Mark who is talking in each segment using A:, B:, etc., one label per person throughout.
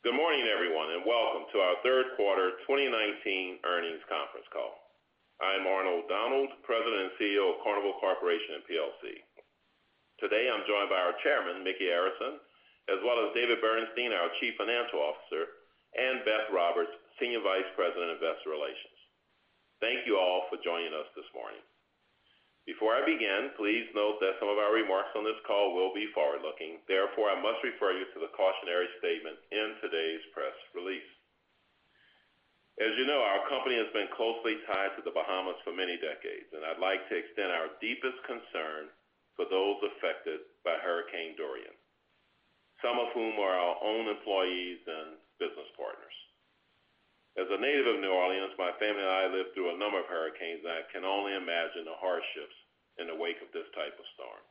A: Good morning, everyone, welcome to our third quarter 2019 earnings conference call. I am Arnold Donald, President and CEO of Carnival Corporation & plc. Today, I'm joined by our chairman, Micky Arison, as well as David Bernstein, our chief financial officer, and Beth Roberts, senior vice president of investor relations. Thank you all for joining us this morning. Before I begin, please note that some of our remarks on this call will be forward-looking. Therefore, I must refer you to the cautionary statement in today's press release. As you know, our company has been closely tied to The Bahamas for many decades, and I'd like to extend our deepest concern for those affected by Hurricane Dorian, some of whom are our own employees and business partners. As a native of New Orleans, my family and I lived through a number of hurricanes. I can only imagine the hardships in the wake of this type of storm.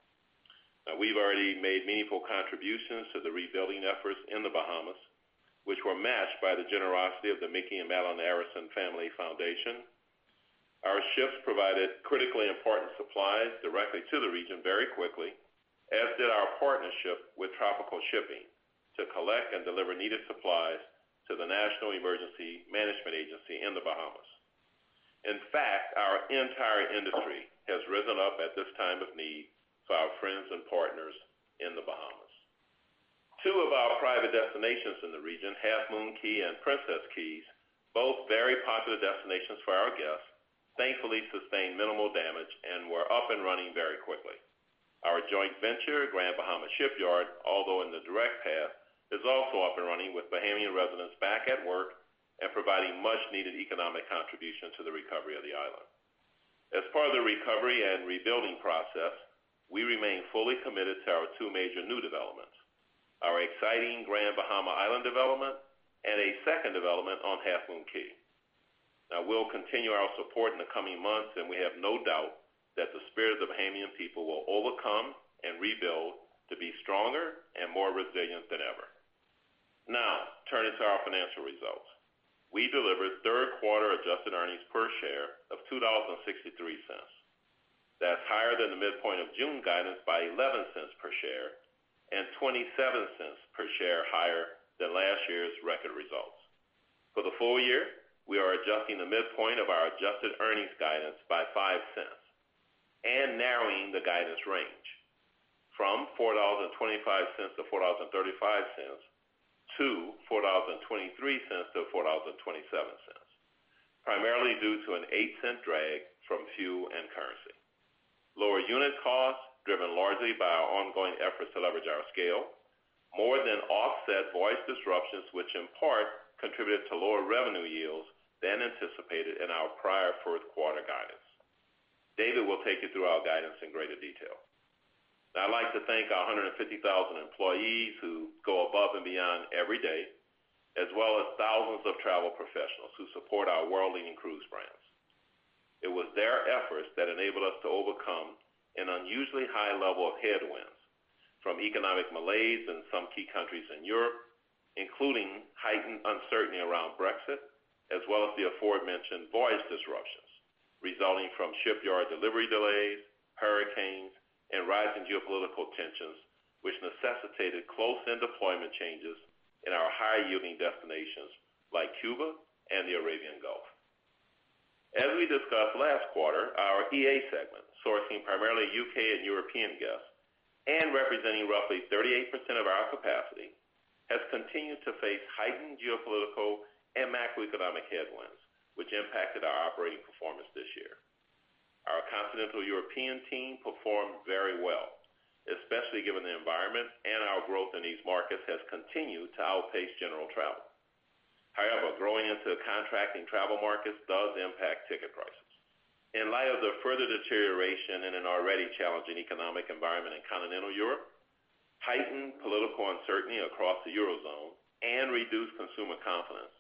A: We've already made meaningful contributions to the rebuilding efforts in the Bahamas, which were matched by the generosity of the Micky and Madeleine Arison Family Foundation. Our ships provided critically important supplies directly to the region very quickly, as did our partnership with Tropical Shipping to collect and deliver needed supplies to the National Emergency Management Agency in the Bahamas. Our entire industry has risen up at this time of need for our friends and partners in the Bahamas. Two of our private destinations in the region, Half Moon Cay and Princess Cays, both very popular destinations for our guests, thankfully sustained minimal damage and were up and running very quickly. Our joint venture, Grand Bahama Shipyard, although in the direct path, is also up and running with Bahamian residents back at work and providing much-needed economic contribution to the recovery of the island. As part of the recovery and rebuilding process, we remain fully committed to our two major new developments, our exciting Grand Bahama Island development, and a second development on Half Moon Cay. Now, we'll continue our support in the coming months, and we have no doubt that the spirit of the Bahamian people will overcome and rebuild to be stronger and more resilient than ever. Now, turning to our financial results. We delivered third quarter adjusted earnings per share of $2.63. That's higher than the midpoint of June guidance by $0.11 per share and $0.27 per share higher than last year's record results. For the full year, we are adjusting the midpoint of our adjusted earnings guidance by $0.05 and narrowing the guidance range from $4.25 to $4.35 to $4.23 to $4.27, primarily due to an $0.08 drag from fuel and currency. Lower unit costs, driven largely by our ongoing efforts to leverage our scale, more than offset voyage disruptions, which in part contributed to lower revenue yields than anticipated in our prior first quarter guidance. David will take you through our guidance in greater detail. I'd like to thank our 150,000 employees who go above and beyond every day, as well as thousands of travel professionals who support our world-leading cruise brands. It was their efforts that enabled us to overcome an unusually high level of headwinds from economic malaise in some key countries in Europe, including heightened uncertainty around Brexit, as well as the aforementioned voyage disruptions resulting from shipyard delivery delays, hurricanes, and rising geopolitical tensions, which necessitated close-in deployment changes in our higher-yielding destinations like Cuba and the Arabian Gulf. As we discussed last quarter, our EA segment, sourcing primarily U.K. and European guests and representing roughly 38% of our capacity, has continued to face heightened geopolitical and macroeconomic headwinds, which impacted our operating performance this year. Our continental European team performed very well, especially given the environment, and our growth in these markets has continued to outpace general travel. However, growing into contracting travel markets does impact ticket prices. In light of the further deterioration in an already challenging economic environment in continental Europe, heightened political uncertainty across the Eurozone, and reduced consumer confidence,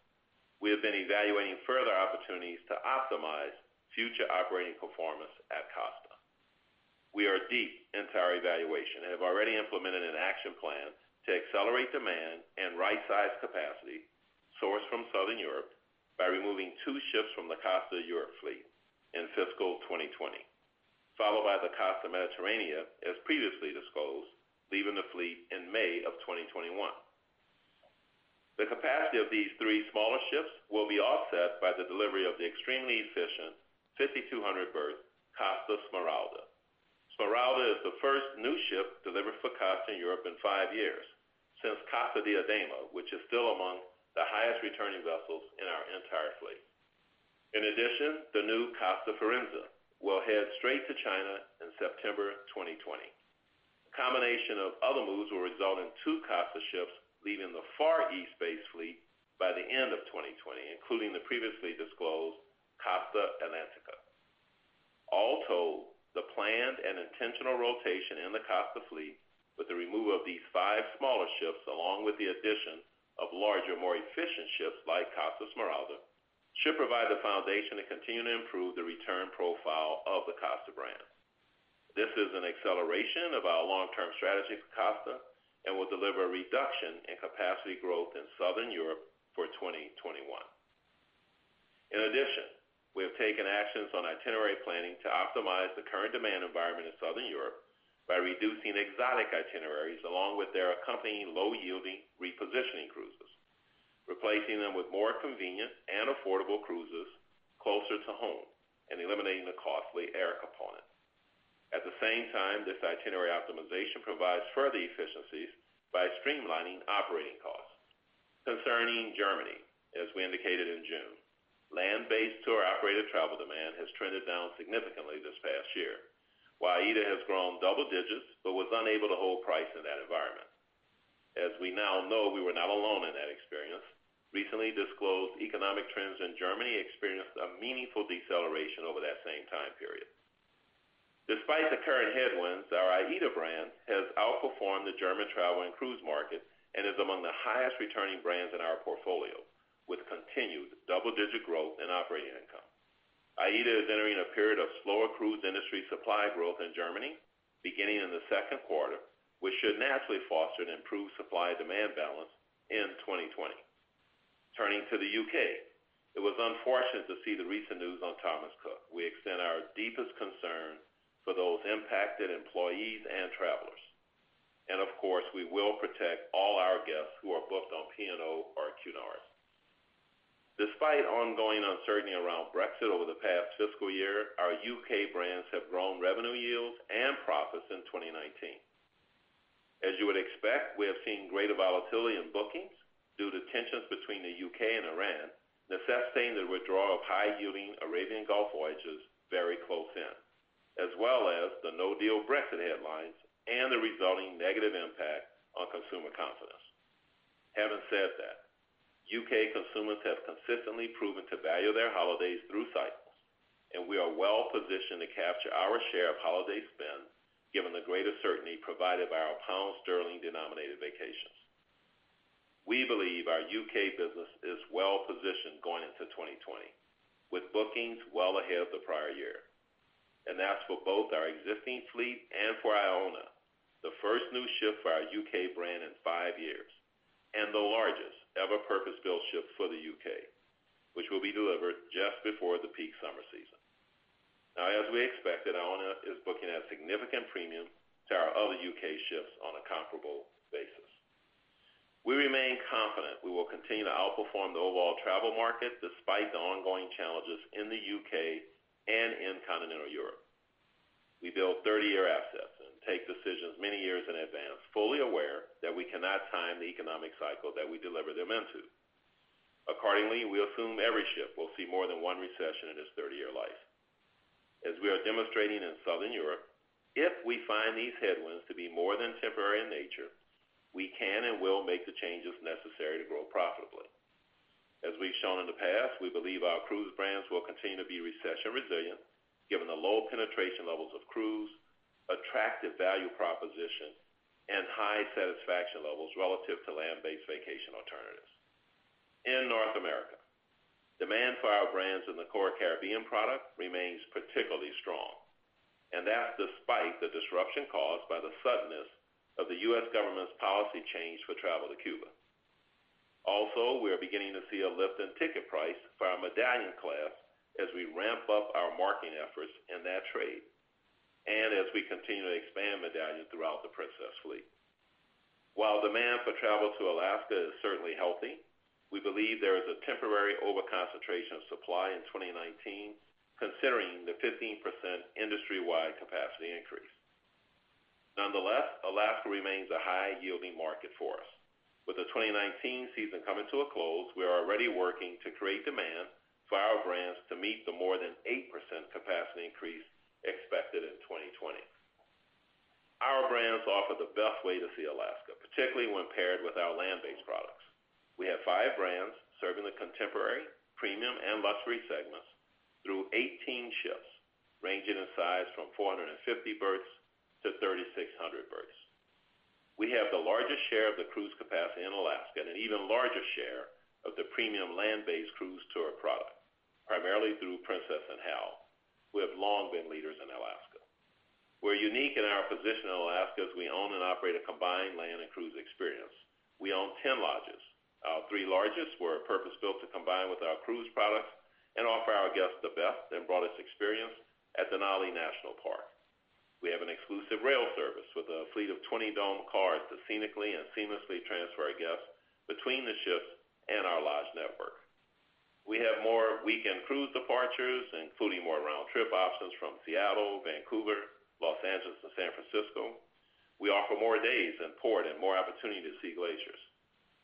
A: we have been evaluating further opportunities to optimize future operating performance at Costa. We are deep into our evaluation and have already implemented an action plan to accelerate demand and right-size capacity sourced from Southern Europe by removing two ships from the Costa Europe fleet in fiscal 2020, followed by the Costa Mediterranea, as previously disclosed, leaving the fleet in May of 2021. The capacity of these three smaller ships will be offset by the delivery of the extremely efficient 5,200-berth Costa Smeralda. Smeralda is the first new ship delivered for Costa Europe in five years, since Costa Diadema, which is still among the highest-returning vessels in our entire fleet. In addition, the new Costa Firenze will head straight to China in September 2020. A combination of other moves will result in two Costa ships leaving the Far East-based fleet by the end of 2020, including the previously disclosed Costa Atlantica. All told, the planned and intentional rotation in the Costa fleet with the removal of these five smaller ships, along with the addition of larger, more efficient ships like Costa Smeralda, should provide the foundation to continue to improve the return profile of the Costa brand. This is an acceleration of our long-term strategy for Costa and will deliver a reduction in capacity growth in Southern. In addition, we have taken actions on itinerary planning to optimize the current demand environment in Southern Europe by reducing exotic itineraries along with their accompanying low-yielding repositioning cruises, replacing them with more convenient and affordable cruises closer to home and eliminating the costly air component. At the same time, this itinerary optimization provides further efficiencies by streamlining operating costs. Concerning Germany, as we indicated in June, land-based tour operator travel demand has trended down significantly this past year, while AIDA has grown double digits but was unable to hold price in that environment. As we now know, we were not alone in that experience. Recently disclosed economic trends in Germany experienced a meaningful deceleration over that same time period. Despite the current headwinds, our AIDA brand has outperformed the German travel and cruise market and is among the highest returning brands in our portfolio, with continued double-digit growth in operating income. AIDA is entering a period of slower cruise industry supply growth in Germany, beginning in the second quarter, which should naturally foster an improved supply-demand balance in 2020. Turning to the U.K., it was unfortunate to see the recent news on Thomas Cook. We extend our deepest concern for those impacted employees and travelers. Of course, we will protect all our guests who are booked on P&O or Cunard. Despite ongoing uncertainty around Brexit over the past fiscal year, our U.K. brands have grown revenue yields and profits in 2019. As you would expect, we have seen greater volatility in bookings due to tensions between the U.K. and Iran, necessitating the withdrawal of high-yielding Arabian Gulf voyages very close in, as well as the no-deal Brexit headlines and the resulting negative impact on consumer confidence. Having said that, U.K. consumers have consistently proven to value their holidays through cycles, and we are well-positioned to capture our share of holiday spend given the greater certainty provided by our pound sterling-denominated vacations. We believe our U.K. business is well-positioned going into 2020, with bookings well ahead of the prior year. That's for both our existing fleet and for Iona, the first new ship for our U.K. brand in five years, and the largest ever purpose-built ship for the U.K., which will be delivered just before the peak summer season. As we expected, Iona is booking at a significant premium to our other U.K. ships on a comparable basis. We remain confident we will continue to outperform the overall travel market despite the ongoing challenges in the U.K. and in continental Europe. We build 30-year assets and take decisions many years in advance, fully aware that we cannot time the economic cycle that we deliver them into. Accordingly, we assume every ship will see more than one recession in its 30-year life. As we are demonstrating in Southern Europe, if we find these headwinds to be more than temporary in nature, we can and will make the changes necessary to grow profitably. As we've shown in the past, we believe our cruise brands will continue to be recession-resilient given the low penetration levels of cruise, attractive value proposition, and high satisfaction levels relative to land-based vacation alternatives. In North America, demand for our brands in the core Caribbean product remains particularly strong, and that's despite the disruption caused by the suddenness of the U.S. government's policy change for travel to Cuba. Also, we are beginning to see a lift in ticket price for our MedallionClass as we ramp up our marketing efforts in that trade and as we continue to expand Medallion throughout the Princess fleet. While demand for travel to Alaska is certainly healthy, we believe there is a temporary over-concentration of supply in 2019 considering the 15% industry-wide capacity increase. Nonetheless, Alaska remains a high-yielding market for us. With the 2019 season coming to a close, we are already working to create demand for our brands to meet the more than 8% capacity increase expected in 2020. Our brands offer the best way to see Alaska, particularly when paired with our land-based products. We have five brands serving the contemporary, premium, and luxury segments through 18 ships ranging in size from 450 berths to 3,600 berths. We have the largest share of the cruise capacity in Alaska and an even larger share of the premium land-based cruise tour product, primarily through Princess and Hal. We have long been leaders in Alaska. We're unique in our position in Alaska as we own and operate a combined land and cruise experience. We own 10 lodges. Our three largest were purpose-built to combine with our cruise products and offer our guests the best and broadest experience at Denali National Park. We have an exclusive rail service with a fleet of 20 dome cars to scenically and seamlessly transfer our guests between the ships and our lodge network. We have more weekend cruise departures, including more round-trip options from Seattle, Vancouver, Los Angeles, and San Francisco. We offer more days in port and more opportunity to see glaciers,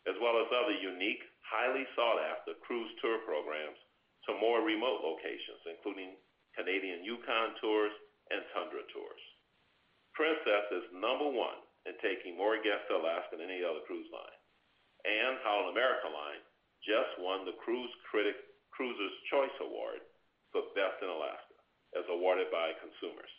A: as well as other unique, highly sought-after cruise tour programs to more remote locations, including Canadian Yukon tours and tundra tours. Princess is number one in taking more guests to Alaska than any other cruise line, and Holland America Line just won the Cruise Critic Cruisers' Choice Award for best in Alaska, as awarded by consumers.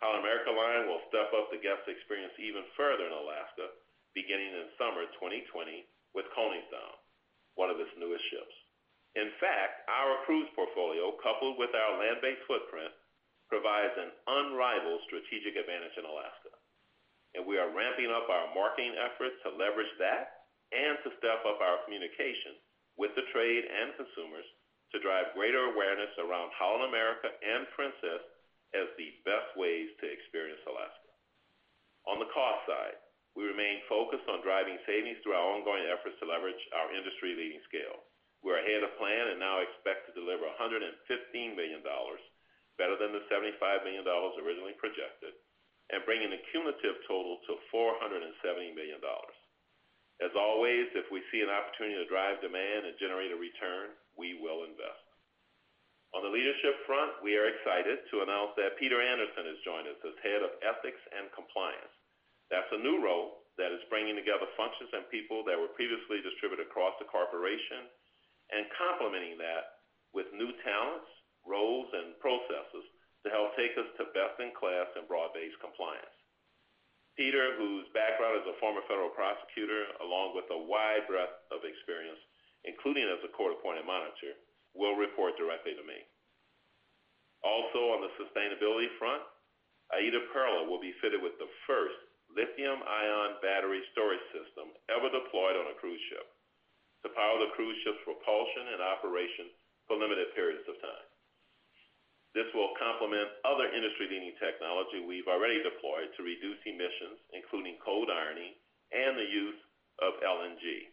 A: Holland America Line will step up the guest experience even further in Alaska beginning in summer 2020 with Koningsdam, one of its newest ships. In fact, our cruise portfolio, coupled with our land-based footprint, provides an unrivaled strategic advantage in Alaska. We are ramping up our marketing efforts to leverage that and to step up our communication with the trade and consumers to drive greater awareness around Holland America and Princess as the best ways to experience Alaska. On the cost side, we remain focused on driving savings through our ongoing efforts to leverage our industry-leading scale. We are ahead of plan and now expect to deliver $115 million, better than the $75 million originally projected, and bringing the cumulative total to $470 million. As always, if we see an opportunity to drive demand and generate a return, we will invest. On the leadership front, we are excited to announce that Peter Anderson has joined us as Head of Ethics and Compliance. That's a new role that is bringing together functions and people that were previously distributed across the Corporation and complementing that with new talents, roles, and processes to help take us to best in class and broad-based compliance. Peter, whose background as a former federal prosecutor, along with a wide breadth of experience, including as a court-appointed monitor, will report directly to me. Also on the sustainability front, AIDAperla will be fitted with the first lithium-ion battery storage system ever deployed on a cruise ship to power the cruise ship's propulsion and operation for limited periods of time. This will complement other industry-leading technology we've already deployed to reduce emissions, including cold ironing and the use of LNG.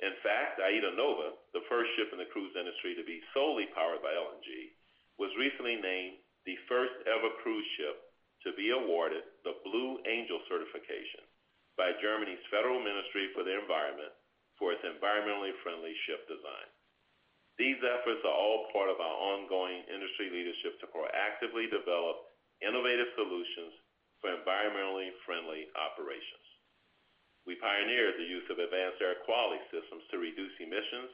A: In fact, AIDAnova, the first ship in the cruise industry to be solely powered by LNG, was recently named the first-ever cruise ship to be awarded the Blue Angel certification by Germany's Federal Ministry for the Environment for its environmentally friendly ship design. These efforts are all part of our ongoing industry leadership to proactively develop innovative solutions for environmentally friendly operations. We pioneered the use of advanced air quality systems to reduce emissions,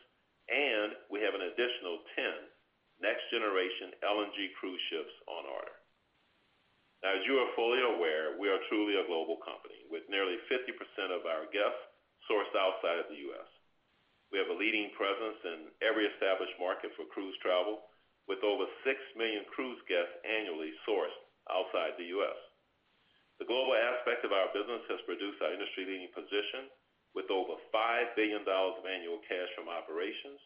A: and we have an additional 10 next-generation LNG cruise ships on order. Now, as you are fully aware, we are truly a global company, with nearly 50% of our guests sourced outside of the U.S. We have a leading presence in every established market for cruise travel, with over 6 million cruise guests annually sourced outside the U.S. The global aspect of our business has produced our industry-leading position with over $5 billion of annual cash from operations,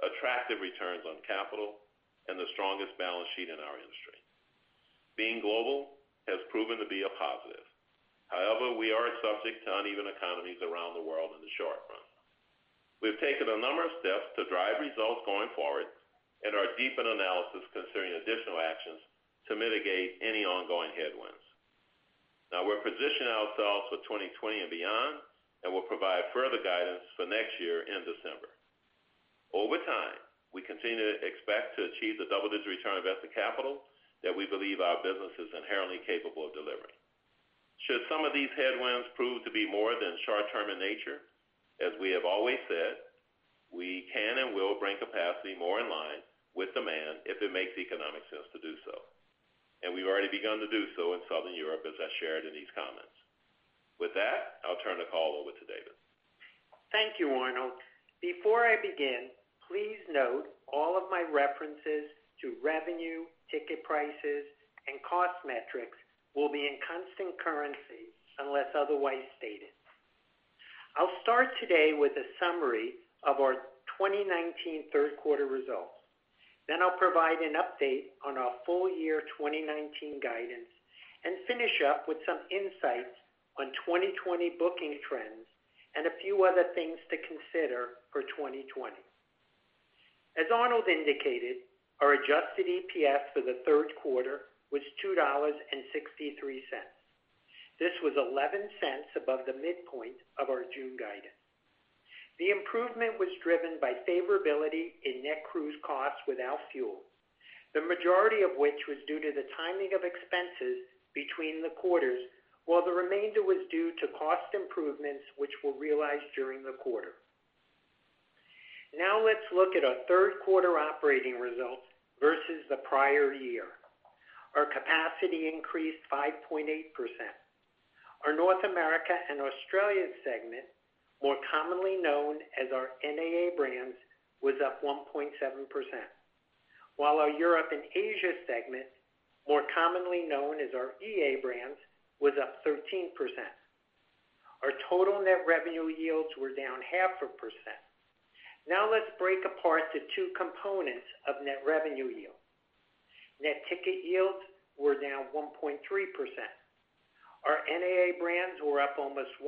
A: attractive returns on capital, and the strongest balance sheet in our industry. Being global has proven to be a positive. However, we are subject to uneven economies around the world in the short run. We've taken a number of steps to drive results going forward and are deepening analysis concerning additional actions to mitigate any ongoing headwinds. Now we're positioning ourselves for 2020 and beyond, and we'll provide further guidance for next year in December. Over time, we continue to expect to achieve the double-digit return on invested capital that we believe our business is inherently capable of delivering. Should some of these headwinds prove to be more than short-term in nature, as we have always said, we can and will bring capacity more in line with demand if it makes economic sense to do so. We've already begun to do so in Southern Europe, as I shared in these comments. With that, I'll turn the call over to David.
B: Thank you, Arnold. Before I begin, please note all of my references to revenue, ticket prices, and cost metrics will be in constant currency unless otherwise stated. I'll start today with a summary of our 2019 third quarter results. I'll provide an update on our full year 2019 guidance and finish up with some insights on 2020 booking trends and a few other things to consider for 2020. As Arnold indicated, our adjusted EPS for the third quarter was $2.63. This was $0.11 above the midpoint of our June guidance. The improvement was driven by favorability in net cruise costs without fuel, the majority of which was due to the timing of expenses between the quarters, while the remainder was due to cost improvements which were realized during the quarter. Let's look at our third quarter operating results versus the prior year. Our capacity increased 5.8%. Our North America and Australia segment, more commonly known as our NAA brands, was up 1.7%, while our Europe & Asia segment, more commonly known as our EA brands, was up 13%. Our total net revenue yields were down 0.5%. Let's break apart the two components of net revenue yield. Net ticket yields were down 1.3%. Our NAA brands were up almost 1%,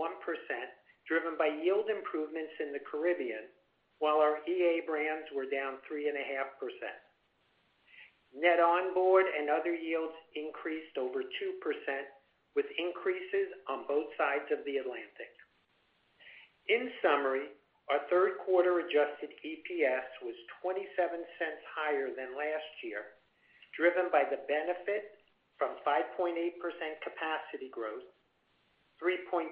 B: driven by yield improvements in the Caribbean, while our EA brands were down 3.5%. Net onboard and other yields increased over 2%, with increases on both sides of the Atlantic. In summary, our third quarter adjusted EPS was $0.27 higher than last year, driven by the benefit from 5.8% capacity growth, 3.2%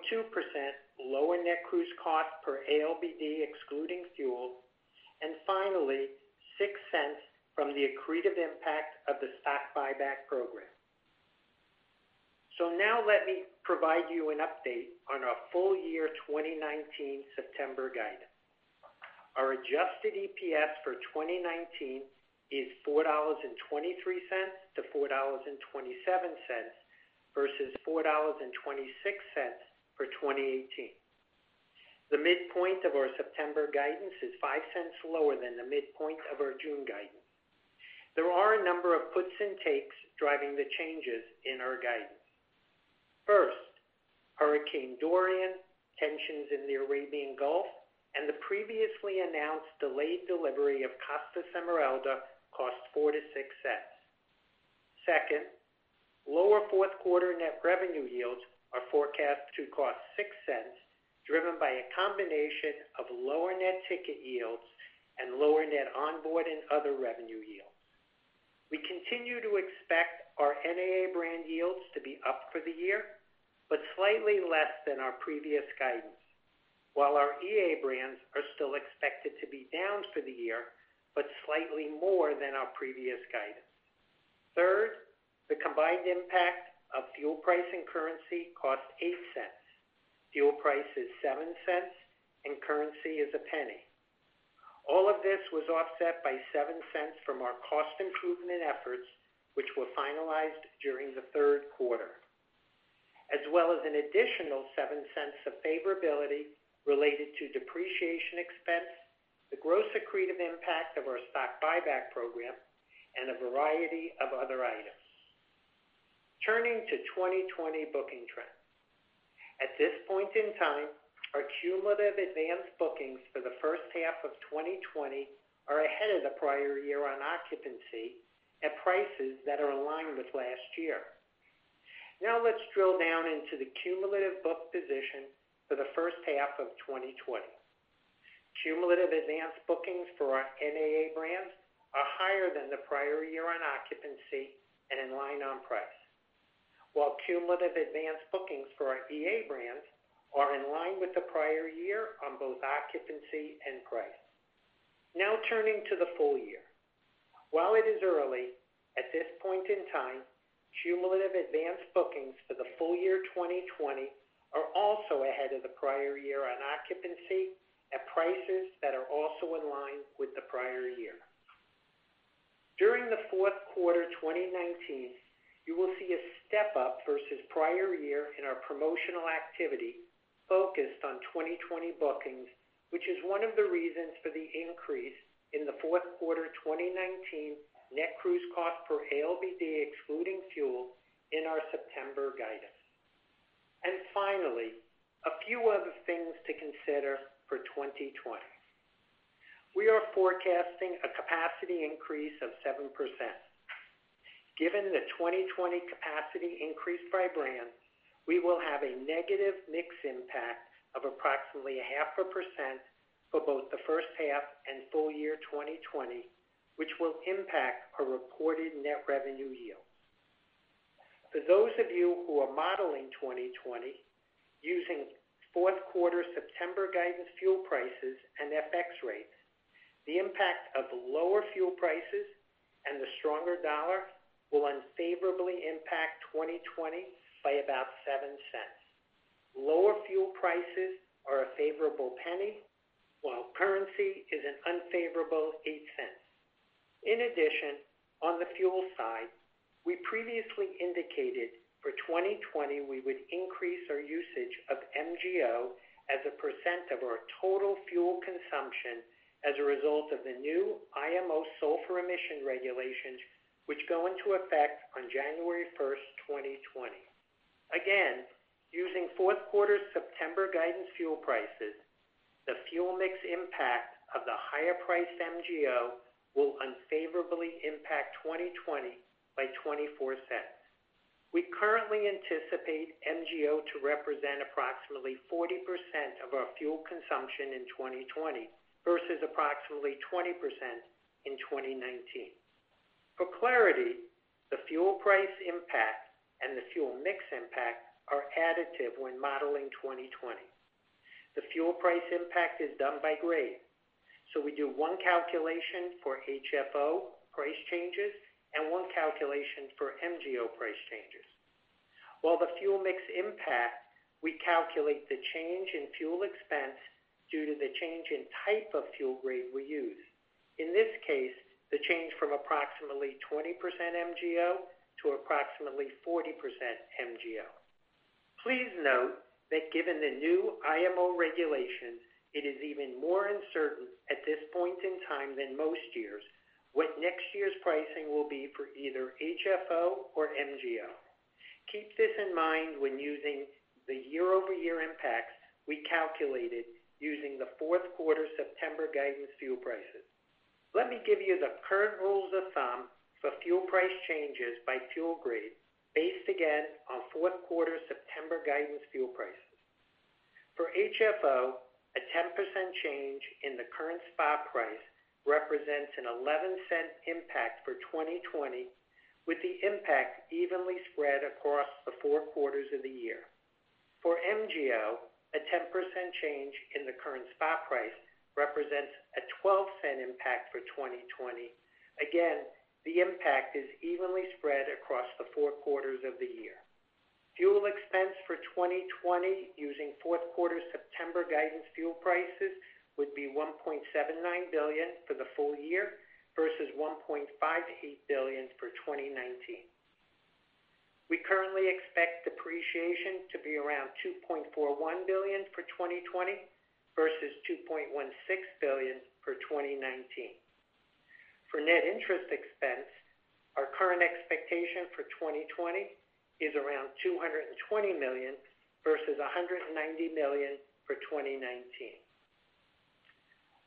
B: lower net cruise cost per ALBD excluding fuel, and finally, $0.06 from the accretive impact of the stock buyback program. Now let me provide you an update on our full year 2019 September guidance. Our adjusted EPS for 2019 is $4.23-$4.27 versus $4.26 for 2018. The midpoint of our September guidance is $0.05 lower than the midpoint of our June guidance. There are a number of puts and takes driving the changes in our guidance. First, Hurricane Dorian, tensions in the Arabian Gulf, and the previously announced delayed delivery of Costa Smeralda cost $0.04-$0.06. Second, lower fourth quarter net revenue yields are forecast to cost $0.06, driven by a combination of lower net ticket yields and lower net onboard and other revenue yields. We continue to expect our NAA brand yields to be up for the year, but slightly less than our previous guidance. Our EA brands are still expected to be down for the year, but slightly more than our previous guidance. Third, the combined impact of fuel price and currency cost $0.08. Fuel price is $0.07 and currency is $0.01. All of this was offset by $0.07 from our cost improvement efforts, which were finalized during the third quarter, as well as an additional $0.07 of favorability related to depreciation expense, the gross accretive impact of our stock buyback program, and a variety of other items. Turning to 2020 booking trends. At this point in time, our cumulative advanced bookings for the first half of 2020 are ahead of the prior year on occupancy at prices that are in line with last year. Let's drill down into the cumulative book position for the first half of 2020. Cumulative advanced bookings for our NAA brands are higher than the prior year-end occupancy and in line on price. While cumulative advanced bookings for our EA brands are in line with the prior year on both occupancy and price. Now turning to the full year. While it is early, at this point in time, cumulative advanced bookings for the full year 2020 are also ahead of the prior year on occupancy at prices that are also in line with the prior year. During the fourth quarter 2019, you will see a step-up versus prior year in our promotional activity focused on 2020 bookings, which is one of the reasons for the increase in the fourth quarter 2019 net cruise cost per ALBD excluding fuel in our September guidance. Finally, a few other things to consider for 2020. We are forecasting a capacity increase of 7%. Given the 2020 capacity increase by brand, we will have a negative mix impact of approximately half a % for both the first half and full year 2020, which will impact our reported net revenue yield. For those of you who are modeling 2020 using fourth quarter September guidance fuel prices and FX rates, the impact of lower fuel prices and the stronger dollar will unfavorably impact 2020 by about $0.07. Lower fuel prices are a favorable $0.01, while currency is an unfavorable $0.08. In addition, on the fuel side, we previously indicated for 2020 we would increase our usage of MGO as a % of our total fuel consumption as a result of the new IMO sulfur emission regulations, which go into effect on January 1, 2020. Using fourth quarter September guidance fuel prices, the fuel mix impact of the higher priced MGO will unfavorably impact 2020 by $0.24. We currently anticipate MGO to represent approximately 40% of our fuel consumption in 2020 versus approximately 20% in 2019. For clarity, the fuel price impact and the fuel mix impact are additive when modeling 2020. The fuel price impact is done by grade. We do one calculation for HFO price changes and one calculation for MGO price changes. While the fuel mix impact, we calculate the change in fuel expense due to the change in type of fuel grade we use, in this case, the change from approximately 20% MGO to approximately 40% MGO. Please note that given the new IMO regulations, it is even more uncertain at this point in time than most years what next year's pricing will be for either HFO or MGO. Keep this in mind when using the year-over-year impacts we calculated using the fourth quarter September guidance fuel prices. Let me give you the current rules of thumb for fuel price changes by fuel grade based, again, on fourth quarter September guidance fuel prices. For HFO, a 10% change in the current spot price represents an $0.11 impact for 2020, with the impact evenly spread across the four quarters of the year. For MGO, a 10% change in the current spot price represents a $0.12 impact for 2020. The impact is evenly spread across the four quarters of the year. Fuel expense for 2020 using fourth quarter September guidance fuel prices would be $1.79 billion for the full year versus $1.58 billion for 2019. We currently expect depreciation to be around $2.41 billion for 2020 versus $2.16 billion for 2019. For net interest expense, our current expectation for 2020 is around $220 million versus $190 million for 2019.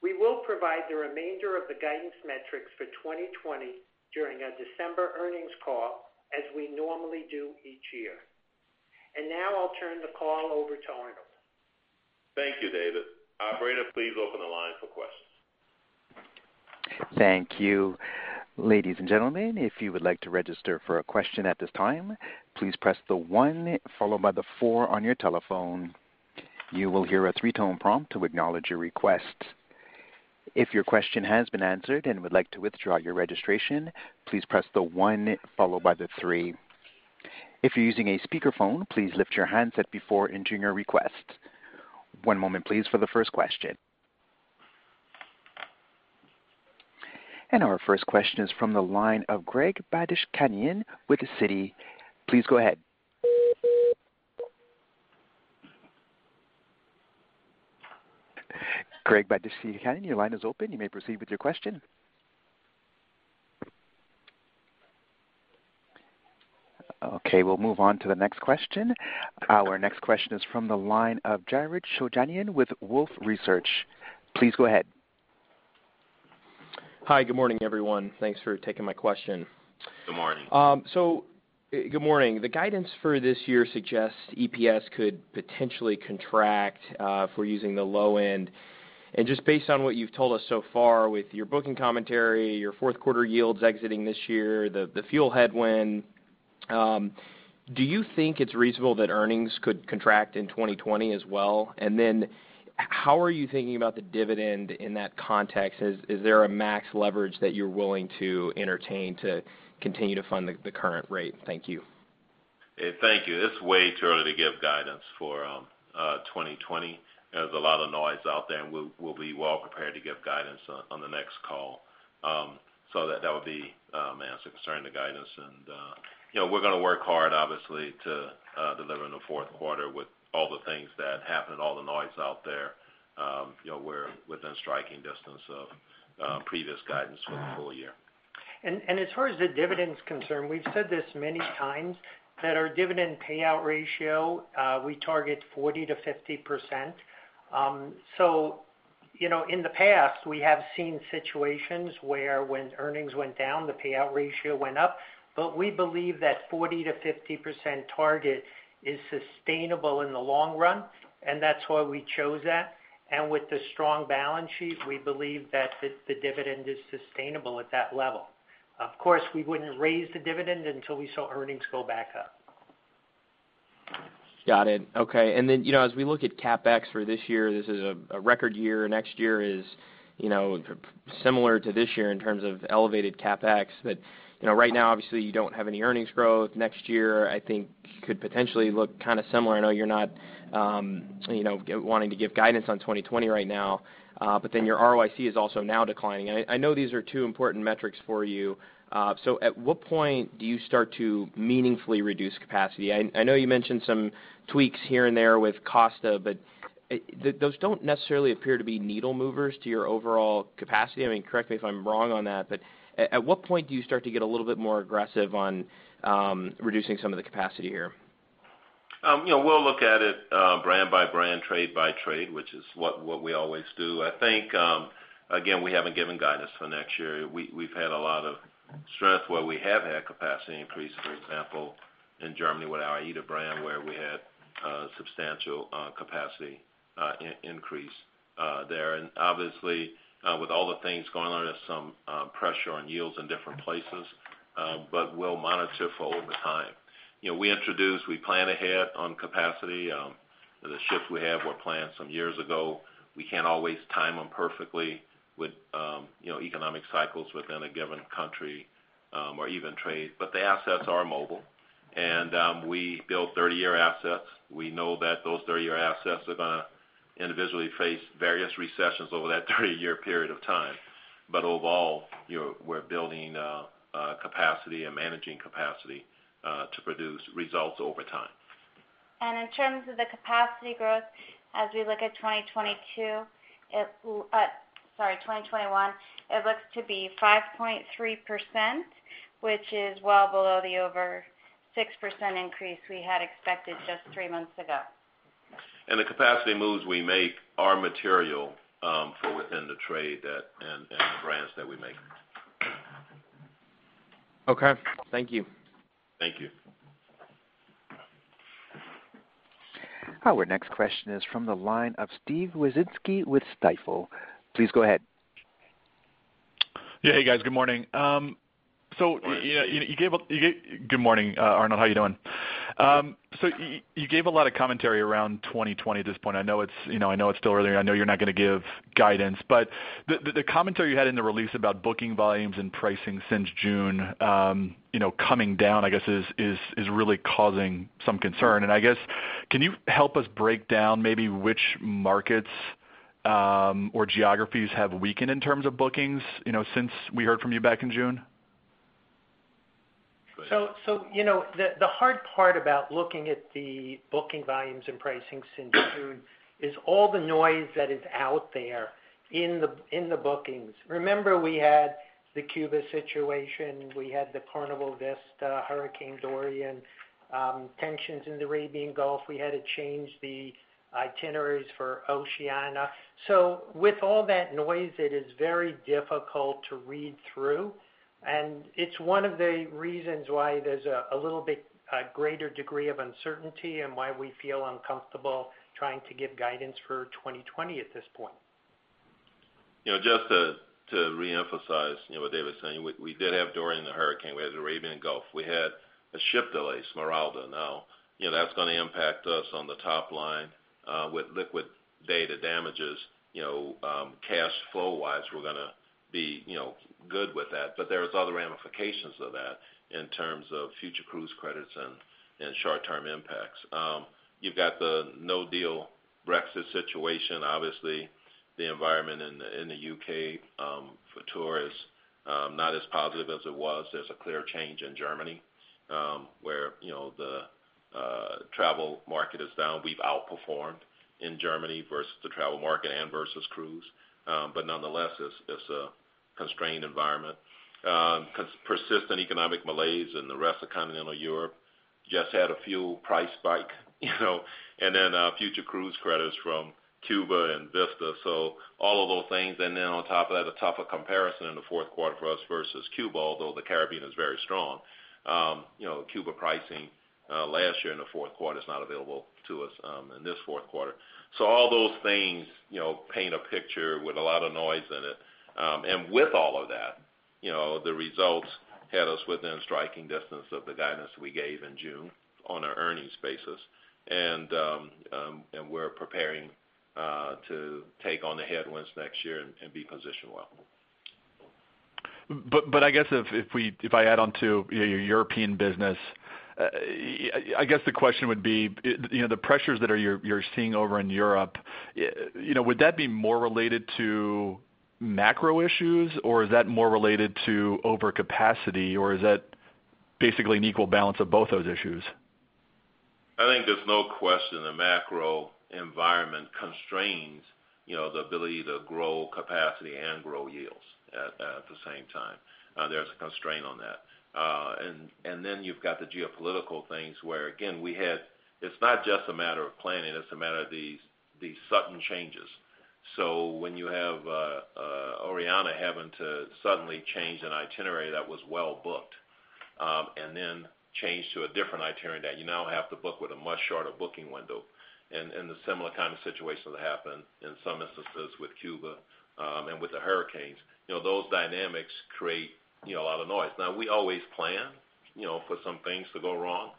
B: We will provide the remainder of the guidance metrics for 2020 during our December earnings call, as we normally do each year. Now I'll turn the call over to Arnold.
A: Thank you, David. Operator, please open the line for questions.
C: Thank you. Ladies and gentlemen, if you would like to register for a question at this time, please press the one followed by the four on your telephone. You will hear a three-tone prompt to acknowledge your request. If your question has been answered and would like to withdraw your registration, please press the one followed by the three. If you're using a speakerphone, please lift your handset before entering your request. One moment please for the first question. Our first question is from the line of Gregory Badishkanian with Citi. Please go ahead. Gregory Badishkanian, your line is open. You may proceed with your question. Okay, we'll move on to the next question. Our next question is from the line of Jared Shojaian with Wolfe Research. Please go ahead.
D: Hi, good morning, everyone. Thanks for taking my question.
A: Good morning.
D: Good morning. The guidance for this year suggests EPS could potentially contract, if we're using the low end. Just based on what you've told us so far with your booking commentary, your fourth quarter yields exiting this year, the fuel headwind, do you think it's reasonable that earnings could contract in 2020 as well? How are you thinking about the dividend in that context? Is there a max leverage that you're willing to entertain to continue to fund the current rate? Thank you.
A: Thank you. It's way too early to give guidance for 2020. There's a lot of noise out there, and we'll be well prepared to give guidance on the next call. That would be my answer concerning the guidance. We're going to work hard, obviously, to deliver in the fourth quarter with all the things that happened, all the noise out there. We're within striking distance of previous guidance for the full year.
B: As far as the dividend's concerned, we've said this many times, that our dividend payout ratio, we target 40%-50%. In the past, we have seen situations where when earnings went down, the payout ratio went up. We believe that 40%-50% target is sustainable in the long run, and that's why we chose that. With the strong balance sheet, we believe that the dividend is sustainable at that level. Of course, we wouldn't raise the dividend until we saw earnings go back up.
D: Got it. Okay. As we look at CapEx for this year, this is a record year. Next year is similar to this year in terms of elevated CapEx. Right now, obviously, you don't have any earnings growth. Next year, I think could potentially look kind of similar. I know you're not wanting to give guidance on 2020 right now. Your ROIC is also now declining. I know these are two important metrics for you. At what point do you start to meaningfully reduce capacity? I know you mentioned some tweaks here and there with Costa. Those don't necessarily appear to be needle movers to your overall capacity. Correct me if I'm wrong on that. At what point do you start to get a little bit more aggressive on reducing some of the capacity here?
A: We'll look at it brand by brand, trade by trade, which is what we always do. I think, again, we haven't given guidance for next year. We've had a lot of strength where we have had capacity increase, for example, in Germany with our AIDA brand, where we had substantial capacity increase there. Obviously, with all the things going on, there's some pressure on yields in different places. We'll monitor for over time. We plan ahead on capacity. The shifts we have were planned some years ago. We can't always time them perfectly with economic cycles within a given country or even trade. The assets are mobile, and we build 30-year assets. We know that those 30-year assets are going to individually face various recessions over that 30-year period of time. Overall, we're building capacity and managing capacity to produce results over time.
E: In terms of the capacity growth, as we look at 2021, it looks to be 5.3%, which is well below the over 6% increase we had expected just three months ago.
A: The capacity moves we make are material for within the trade and the brands that we make.
D: Okay. Thank you.
A: Thank you.
C: Our next question is from the line of Steven Wieczynski with Stifel. Please go ahead.
F: Yeah. Hey, guys. Good morning. Good morning, Arnold. How you doing? You gave a lot of commentary around 2020 at this point. I know it's still early, and I know you're not going to give guidance, but the commentary you had in the release about booking volumes and pricing since June coming down, I guess, is really causing some concern. I guess, can you help us break down maybe which markets or geographies have weakened in terms of bookings, since we heard from you back in June?
B: The hard part about looking at the booking volumes and pricing since June is all the noise that is out there in the bookings. Remember, we had the Cuba situation. We had the Carnival Vista, Hurricane Dorian, tensions in the Arabian Gulf. We had to change the itineraries for Oceania. With all that noise, it is very difficult to read through, and it's one of the reasons why there's a little bit greater degree of uncertainty and why we feel uncomfortable trying to give guidance for 2020 at this point.
A: Just to reemphasize what David was saying, we did have Hurricane Dorian. We had the Arabian Gulf. We had a ship delays, Smeralda. Now, that's going to impact us on the top line with liquidated damages. Cash flow-wise, we're going to be good with that. There's other ramifications of that in terms of future cruise credits and short-term impacts. You've got the no-deal Brexit situation. Obviously, the environment in the U.K. for tour is not as positive as it was. There's a clear change in Germany, where the travel market is down. We've outperformed in Germany versus the travel market and versus cruise. Nonetheless, it's a constrained environment. Persistent economic malaise in the rest of continental Europe. Just had a fuel price spike, future cruise credits from Cuba and Vista. All of those things, and then on top of that, a tougher comparison in the fourth quarter for us versus Cuba, although the Caribbean is very strong. Cuba pricing last year in the fourth quarter is not available to us in this fourth quarter. All those things paint a picture with a lot of noise in it. With all of that, the results had us within striking distance of the guidance we gave in June on an earnings basis. We're preparing to take on the headwinds next year and be positioned well.
F: I guess if I add on to your European business, I guess the question would be, the pressures that you're seeing over in Europe, would that be more related to macro issues, or is that more related to overcapacity, or is that basically an equal balance of both those issues?
A: I think there's no question the macro environment constrains the ability to grow capacity and grow yields at the same time. There's a constraint on that. Then you've got the geopolitical things where, again, it's not just a matter of planning, it's a matter of these sudden changes. When you have Oriana having to suddenly change an itinerary that was well-booked, and then change to a different itinerary that you now have to book with a much shorter booking window. The similar kind of situation that happened, in some instances, with Cuba, and with the hurricanes. Those dynamics create a lot of noise. We always plan for some things to go wrong.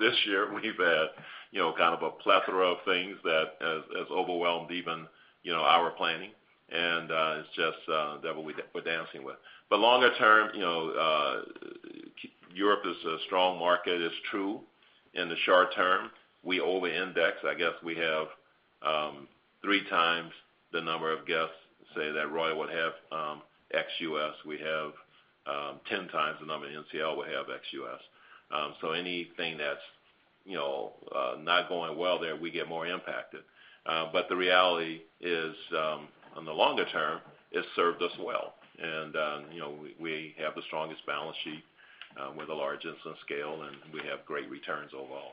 A: This year we've had kind of a plethora of things that has overwhelmed even our planning. It's just devil we're dancing with. Longer term, Europe is a strong market. It's true in the short term. We over-index. I guess we have three times the number of guests, say, that Royal would have ex-U.S. We have 10 times the number NCL would have ex-U.S. Anything that's not going well there, we get more impacted. The reality is, on the longer term, it's served us well. We have the strongest balance sheet. We're the largest in scale, and we have great returns overall.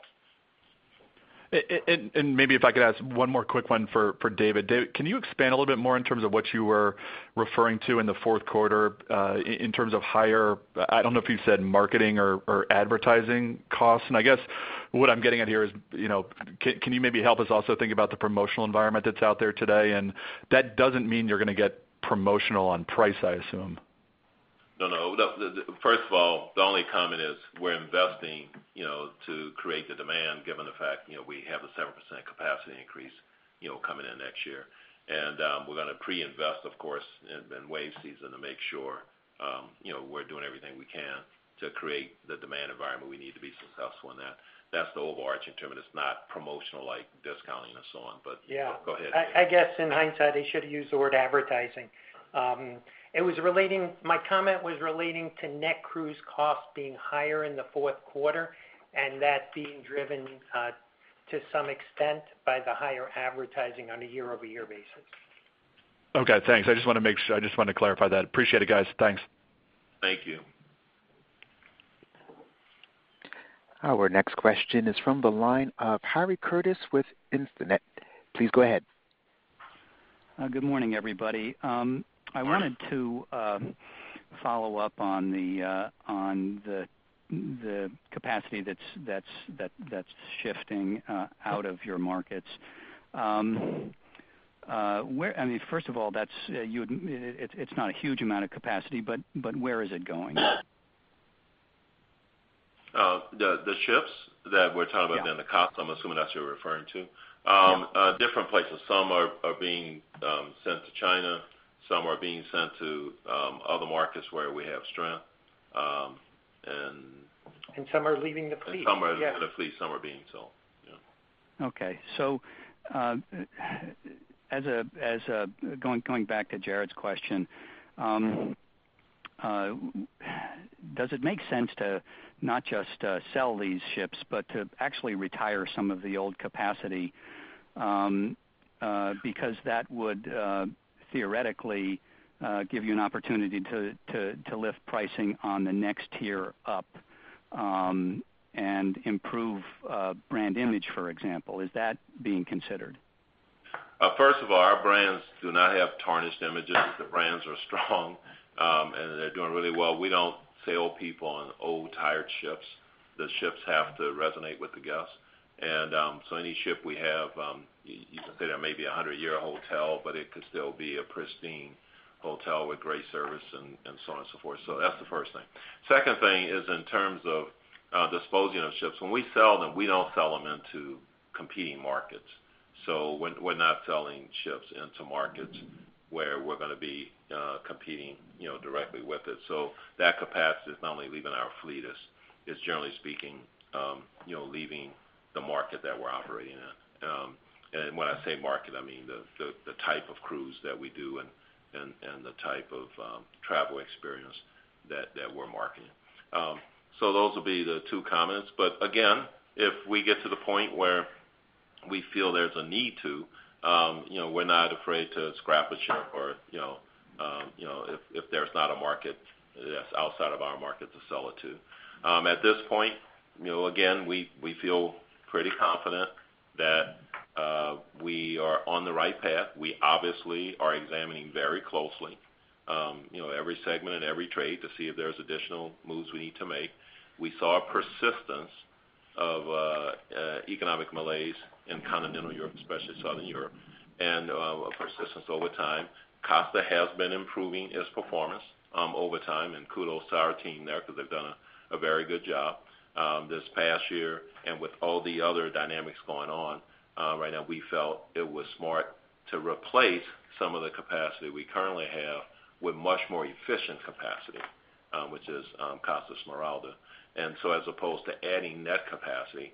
F: Maybe if I could ask one more quick one for David. David, can you expand a little bit more in terms of what you were referring to in the fourth quarter in terms of higher, I don't know if you said marketing or advertising costs? I guess what I'm getting at here is, can you maybe help us also think about the promotional environment that's out there today? That doesn't mean you're going to get promotional on price, I assume.
A: No, no. First of all, the only comment is we're investing to create the demand, given the fact we have a 7% capacity increase coming in next year. We're going to pre-invest, of course, in wave season to make sure we're doing everything we can to create the demand environment we need to be successful in that. That's the overarching term, and it's not promotional like discounting or so on.
B: Yeah.
A: Go ahead.
B: I guess in hindsight, I should've used the word advertising. My comment was relating to net cruise costs being higher in the fourth quarter, and that being driven, to some extent, by the higher advertising on a year-over-year basis.
F: Okay, thanks. I just wanted to clarify that. Appreciate it, guys. Thanks.
A: Thank you.
C: Our next question is from the line of Harry Curtis with Instinet. Please go ahead.
G: Good morning, everybody.
A: Morning.
G: I wanted to follow up on the capacity that's shifting out of your markets. First of all, it's not a huge amount of capacity, but where is it going?
A: The ships that we're talking about.
G: Yeah
A: The costs, I'm assuming that's what you're referring to.
G: Yeah.
A: Different places. Some are being sent to other markets where we have strength.
B: Some are leaving the fleet.
A: Some are leaving the fleet, some are being sold. Yeah.
G: Okay. Going back to Jared's question, does it make sense to not just sell these ships, but to actually retire some of the old capacity? That would theoretically give you an opportunity to lift pricing on the next tier up, and improve brand image, for example. Is that being considered?
A: First of all, our brands do not have tarnished images. The brands are strong, and they're doing really well. We don't sail people on old, tired ships. The ships have to resonate with the guests. Any ship we have, you can say they may be a 100-year-old hotel, but it could still be a pristine hotel with great service and so on and so forth. That's the first thing. Second thing is in terms of disposing of ships. When we sell them, we don't sell them into competing markets. We're not selling ships into markets where we're going to be competing directly with it. That capacity is not only leaving our fleet, it's generally speaking leaving the market that we're operating in. When I say market, I mean the type of cruise that we do and the type of travel experience that we're marketing. Those would be the two comments. Again, if we get to the point where we feel there's a need to, we're not afraid to scrap a ship or if there's not a market, that's outside of our market to sell it to. At this point, again, we feel pretty confident that we are on the right path. We obviously are examining very closely every segment and every trade to see if there's additional moves we need to make. We saw a persistence of economic malaise in continental Europe, especially Southern Europe, and a persistence over time. Costa has been improving its performance over time, and kudos to our team there because they've done a very good job. This past year and with all the other dynamics going on right now, we felt it was smart to replace some of the capacity we currently have with much more efficient capacity, which is Costa Smeralda. As opposed to adding net capacity,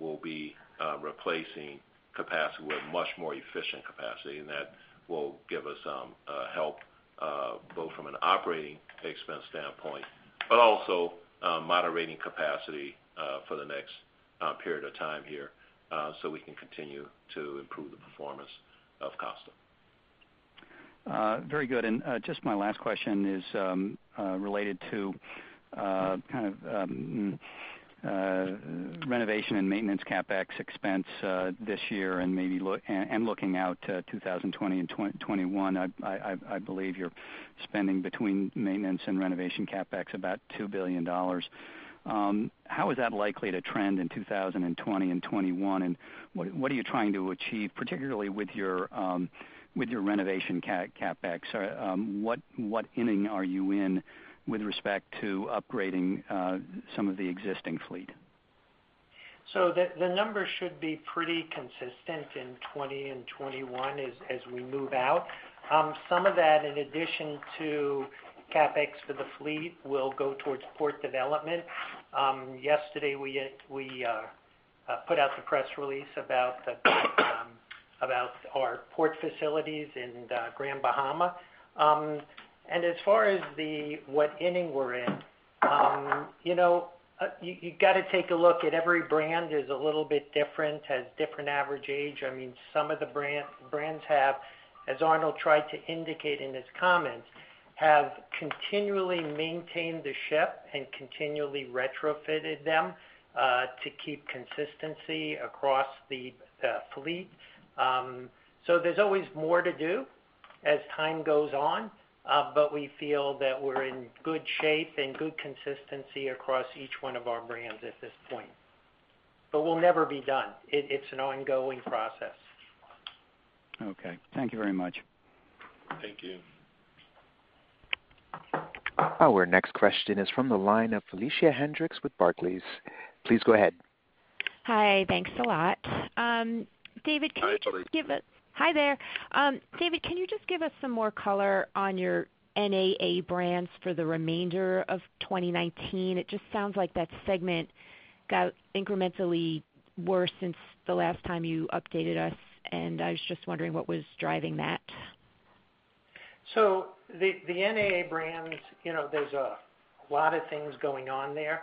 A: we'll be replacing capacity with much more efficient capacity, and that will give us help, both from an operating expense standpoint, but also moderating capacity for the next period of time here, so we can continue to improve the performance of Costa.
G: Very good, just my last question is related to renovation and maintenance CapEx expense this year, and looking out to 2020 and 2021. I believe you're spending between maintenance and renovation CapEx about $2 billion. How is that likely to trend in 2020 and 2021, and what are you trying to achieve, particularly with your renovation CapEx? What inning are you in with respect to upgrading some of the existing fleet?
B: The numbers should be pretty consistent in 2020 and 2021, as we move out. Some of that, in addition to CapEx for the fleet, will go towards port development. Yesterday, we put out the press release about our port facilities in Grand Bahama. As far as what inning we're in, you got to take a look at every brand is a little bit different, has different average age. Some of the brands have, as Arnold tried to indicate in his comments, have continually maintained the ship and continually retrofitted them, to keep consistency across the fleet. There's always more to do as time goes on. We feel that we're in good shape and good consistency across each one of our brands at this point. We'll never be done. It's an ongoing process.
G: Okay. Thank you very much.
A: Thank you.
C: Our next question is from the line of Felicia Hendrix with Barclays. Please go ahead.
H: Hi. Thanks a lot.
A: Hi, Felicia.
H: Hi there. David, can you just give us some more color on your NAA brands for the remainder of 2019? It just sounds like that segment got incrementally worse since the last time you updated us, and I was just wondering what was driving that.
B: The NAA brands, there's a lot of things going on there.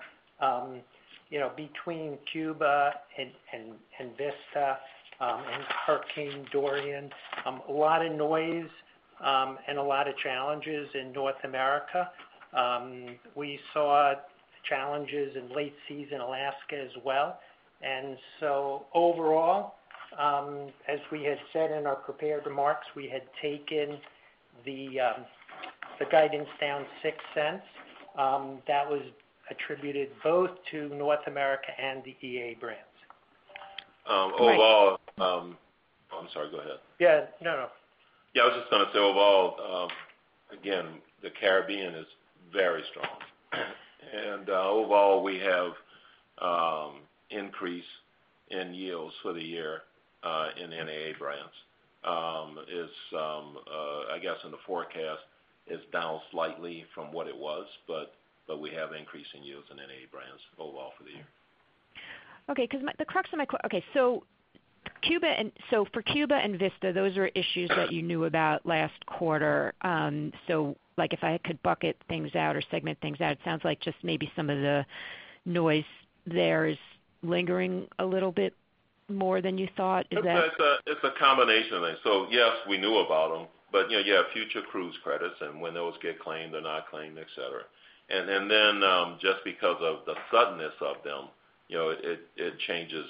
B: Between Cuba and Vista, and Hurricane Dorian, a lot of noise, and a lot of challenges in North America. We saw challenges in late season Alaska as well. Overall, as we had said in our prepared remarks, we had taken the guidance down $0.06. That was attributed both to North America and the EA brands.
A: Oh, I'm sorry, go ahead.
B: Yeah. No.
A: Yeah, I was just going to say, overall, again, the Caribbean is very strong. Overall, we have increase in yields for the year in NAA brands is, I guess, in the forecast, is down slightly from what it was, but we have increasing yields in NAA brands overall for the year.
H: Okay. For Cuba and Vista, those are issues that you knew about last quarter. If I could bucket things out or segment things out, it sounds like just maybe some of the noise there is lingering a little bit more than you thought. Is that?
A: It's a combination of things. Yes, we knew about them, but you have future cruise credits, and when those get claimed or not claimed, et cetera. Then, just because of the suddenness of them, it changes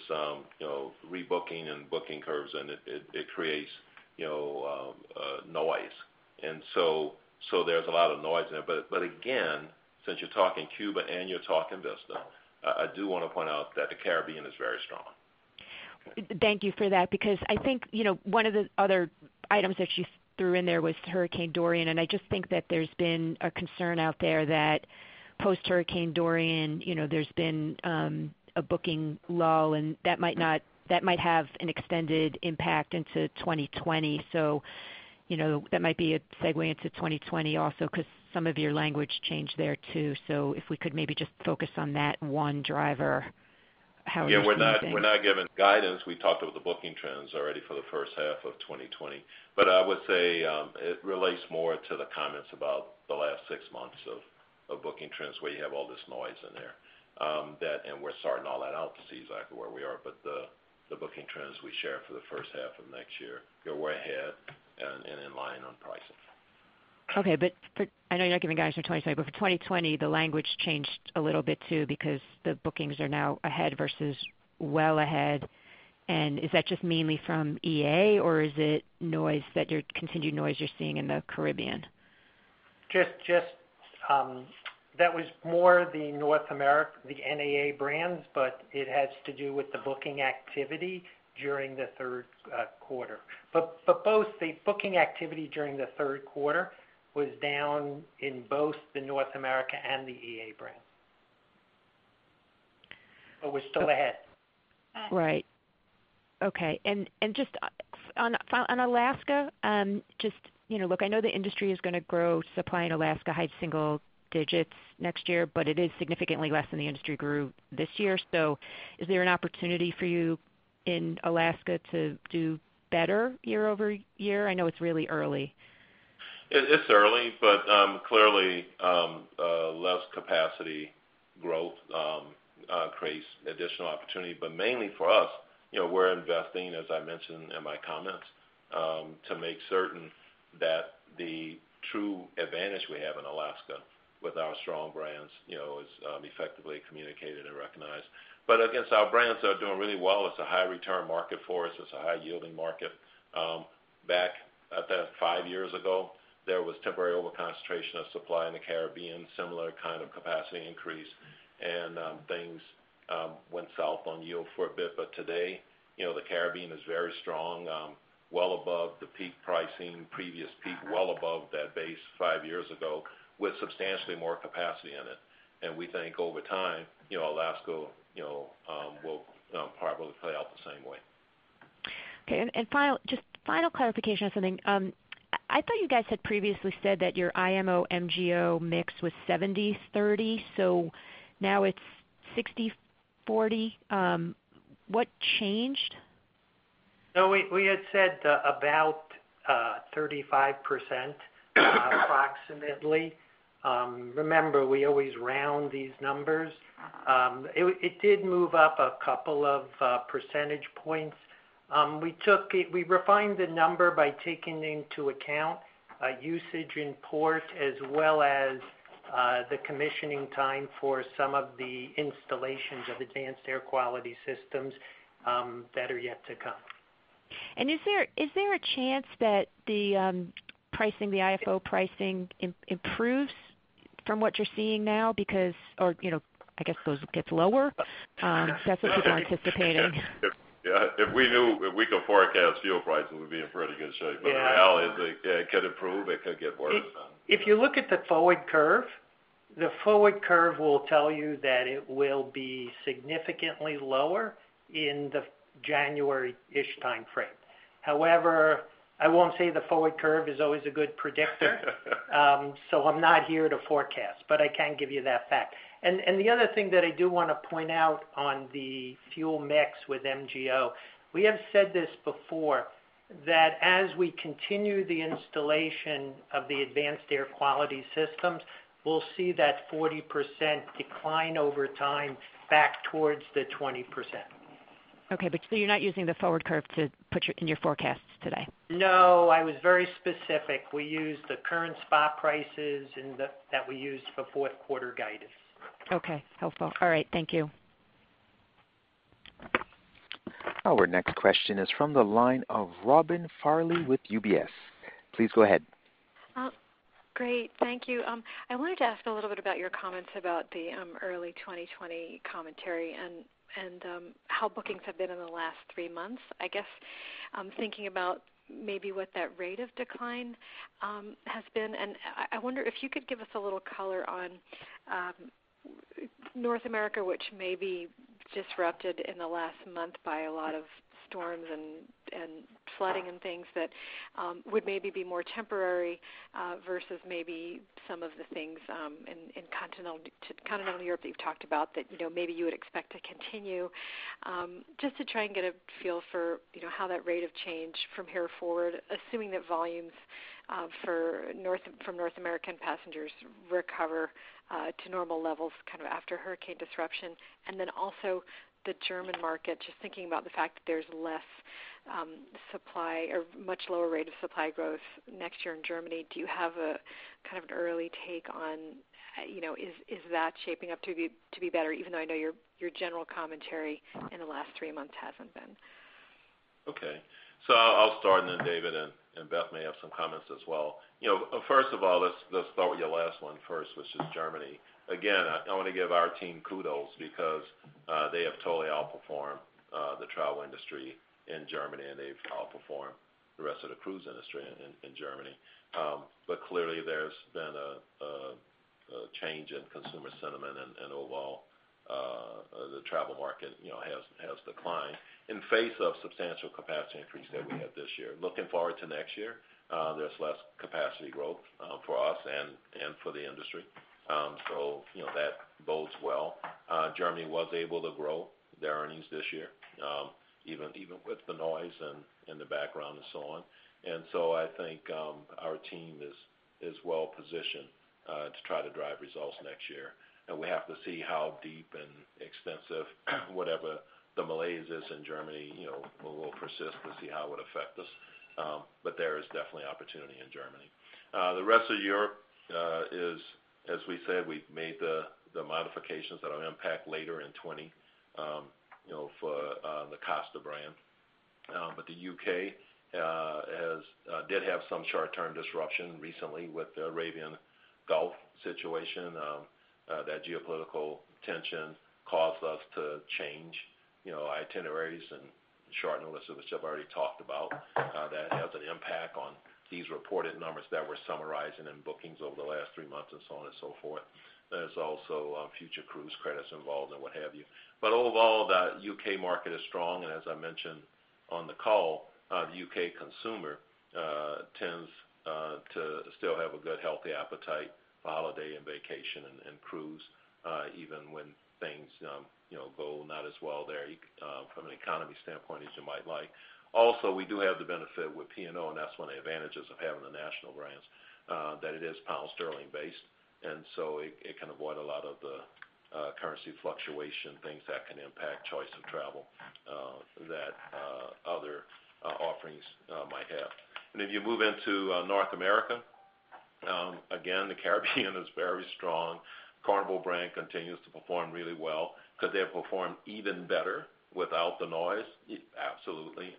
A: rebooking and booking curves, and it creates noise. There's a lot of noise in there. Again, since you're talking Cuba and you're talking Vista, I do want to point out that the Caribbean is very strong.
H: Thank you for that, because I think one of the other items that you threw in there was Hurricane Dorian, and I just think that there's been a concern out there that post-Hurricane Dorian, there's been a booking lull, and that might have an extended impact into 2020. That might be a segue into 2020 also, because some of your language changed there too. If we could maybe just focus on that one driver, how it's moving things.
A: Yeah, we're not giving guidance. We talked about the booking trends already for the first half of 2020. I would say, it relates more to the comments about the last six months of booking trends, where you have all this noise in there. We're sorting all that out to see exactly where we are, but the booking trends we share for the first half of next year are way ahead and in line on pricing.
H: Okay. I know you're not giving guidance for 2020, but for 2020, the language changed a little bit too, because the bookings are now ahead versus well ahead. Is that just mainly from EA, or is it continued noise you're seeing in the Caribbean?
B: That was more the North America, the NAA brands, but it has to do with the booking activity during the third quarter. Both the booking activity during the third quarter was down in both the North America and the EA brand. We're still ahead.
H: Right. Okay. Just on Alaska, look, I know the industry is going to grow supply in Alaska high single digits next year, but it is significantly less than the industry grew this year. Is there an opportunity for you in Alaska to do better year-over-year? I know it's really early.
A: It's early, clearly, less capacity growth creates additional opportunity. Mainly for us, we're investing, as I mentioned in my comments, to make certain that the true advantage we have in Alaska with our strong brands is effectively communicated and recognized. Again, our brands are doing really well. It's a high return market for us. It's a high yielding market. Back about five years ago, there was temporary over-concentration of supply in the Caribbean, similar kind of capacity increase, and things went south on yield for a bit. Today, the Caribbean is very strong, well above the peak pricing, previous peak, well above that base five years ago, with substantially more capacity in it. We think over time, Alaska will probably play out the same way.
H: Okay, just final clarification on something. I thought you guys had previously said that your IMO MGO mix was 70/30, so now it's 60/40. What changed?
B: We had said about 35% approximately. Remember, we always round these numbers. It did move up a couple of percentage points. We refined the number by taking into account usage in port as well as the commissioning time for some of the installations of Advanced Air Quality Systems that are yet to come.
H: Is there a chance that the IFO pricing improves from what you're seeing now because, or I guess gets lower? That's what you're anticipating.
A: If we could forecast fuel prices, we'd be in pretty good shape.
B: Yeah.
A: The reality is it could improve, it could get worse.
B: If you look at the forward curve, the forward curve will tell you that it will be significantly lower in the January-ish timeframe. However, I won't say the forward curve is always a good predictor. I'm not here to forecast, but I can give you that fact. The other thing that I do want to point out on the fuel mix with MGO, we have said this before, that as we continue the installation of the Advanced Air Quality Systems, we'll see that 40% decline over time back towards the 20%.
H: Okay, you're not using the forward curve in your forecasts today?
B: No, I was very specific. We used the current spot prices that we used for fourth quarter guidance.
H: Okay. Helpful. All right. Thank you.
C: Our next question is from the line of Robin Farley with UBS. Please go ahead.
I: Great. Thank you. I wanted to ask a little bit about your comments about the early 2020 commentary and how bookings have been in the last three months. I guess I'm thinking about maybe what that rate of decline has been, and I wonder if you could give us a little color on North America, which may be disrupted in the last month by a lot of storms and flooding and things that would maybe be more temporary versus maybe some of the things in continental Europe that you've talked about that maybe you would expect to continue. Just to try and get a feel for how that rate of change from here forward, assuming that volumes from North American passengers recover to normal levels after hurricane disruption. Also the German market, just thinking about the fact that there's less supply or much lower rate of supply growth next year in Germany, do you have a kind of an early take on is that shaping up to be better, even though I know your general commentary in the last three months hasn't been?
A: Okay. I'll start, and then David and Beth may have some comments as well. First of all, let's start with your last one first, which is Germany. I want to give our team kudos because they have totally outperformed the travel industry in Germany, and they've outperformed the rest of the cruise industry in Germany. Clearly there's been a change in consumer sentiment, and overall, the travel market has declined in face of substantial capacity increase that we had this year. Looking forward to next year, there's less capacity growth for us and for the industry. That bodes well. Germany was able to grow their earnings this year, even with the noise in the background and so on. I think our team is well-positioned to try to drive results next year. We have to see how deep and extensive whatever the malaise is in Germany will persist to see how it would affect us. There is definitely opportunity in Germany. The rest of Europe is, as we said, we've made the modifications that will impact later in 2020, for the Costa brand. The U.K. did have some short-term disruption recently with the Arabian Gulf situation. That geopolitical tension caused us to change itineraries and short notice, which I've already talked about. That has an impact on these reported numbers that we're summarizing in bookings over the last three months and so on and so forth. There's also future cruise credits involved and what have you. Overall, the U.K. market is strong, and as I mentioned on the call, the U.K. consumer tends to still have a good, healthy appetite for holiday and vacation and cruise, even when things go not as well there, from an economy standpoint, as you might like. Also, we do have the benefit with P&O, and that's one of the advantages of having the national brands, that it is pound sterling based, so it can avoid a lot of the currency fluctuation, things that can impact choice of travel that other offerings might have. If you move into North America, again, the Caribbean is very strong. Carnival brand continues to perform really well. Could they have performed even better without the noise? Absolutely.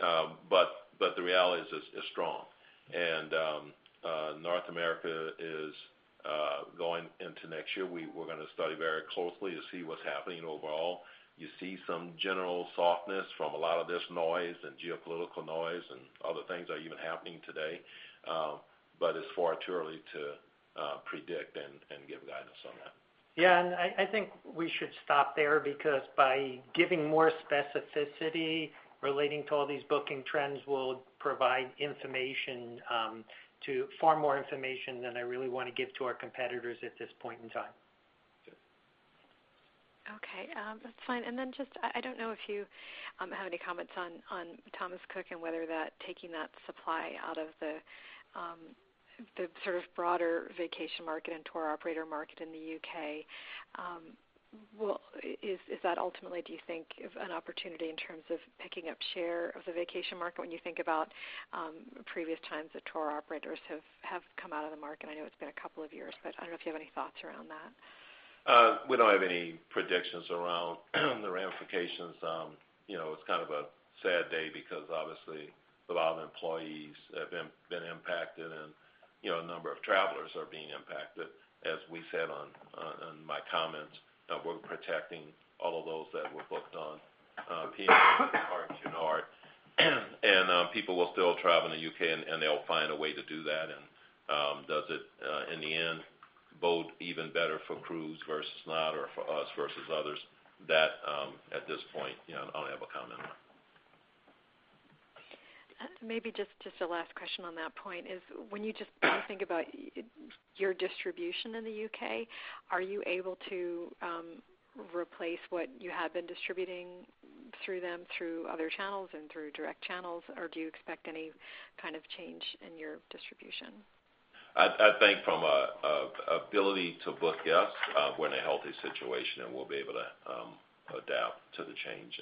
A: The reality is it's strong. North America is going into next year, we're going to study very closely to see what's happening overall. You see some general softness from a lot of this noise and geopolitical noise and other things are even happening today. It's far too early to predict and give guidance on that.
B: Yeah, I think we should stop there because by giving more specificity relating to all these booking trends will provide far more information than I really want to give to our competitors at this point in time.
I: Okay. That's fine. Just, I don't know if you have any comments on Thomas Cook and whether taking that supply out of the sort of broader vacation market and tour operator market in the U.K. Is that ultimately, do you think, an opportunity in terms of picking up share of the vacation market when you think about previous times that tour operators have come out of the market? I know it's been a couple of years, I don't know if you have any thoughts around that.
A: We don't have any predictions around the ramifications. It's kind of a sad day because obviously a lot of employees have been impacted and a number of travelers are being impacted. As we said on my comments, we're protecting all of those that were booked on P&O, Oriana, and [Art. People will still travel in the U.K. and they'll find a way to do that. Does it, in the end, bode even better for cruise versus not, or for us versus others? That, at this point, I don't have a comment on.
I: Just a last question on that point is, when you just think about your distribution in the U.K., are you able to replace what you have been distributing through them through other channels and through direct channels, or do you expect any kind of change in your distribution?
A: I think from an ability to book yes, we're in a healthy situation, and we'll be able to adapt to the change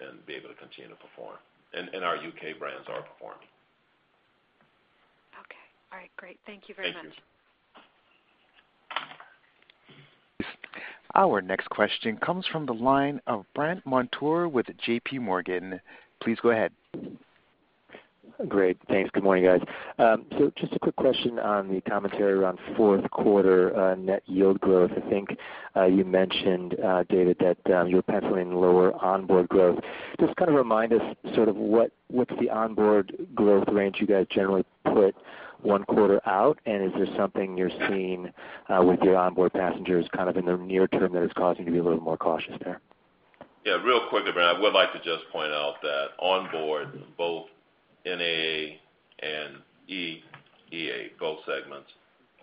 A: and be able to continue to perform. Our U.K. brands are performing.
I: Okay. All right. Great. Thank you very much.
A: Thank you.
C: Our next question comes from the line of Brandt Montour with JP Morgan. Please go ahead.
J: Great. Thanks. Good morning, guys. Just a quick question on the commentary around fourth quarter net yield growth. I think you mentioned, David, that you were penciling lower onboard growth. Just remind us what's the onboard growth range you guys generally put one quarter out, and is this something you're seeing with your onboard passengers in the near term that is causing you to be a little more cautious there?
A: Yeah, real quick, Brandt, I would like to just point out that onboard, both NA and EA, both segments,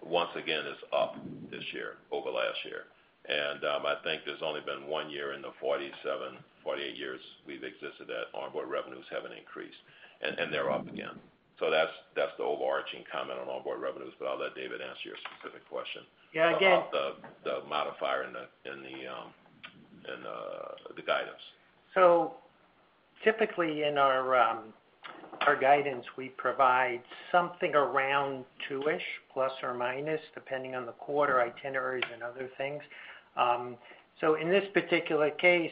A: once again, is up this year over last year. I think there's only been one year in the 48 years we've existed that onboard revenues haven't increased, and they're up again. That's the overarching comment on onboard revenues. I'll let David answer your specific question.
B: Yeah.
A: about the modifier in the guidance.
B: Typically, in our guidance, we provide something around two-ish, plus or minus, depending on the quarter itineraries and other things. In this particular case,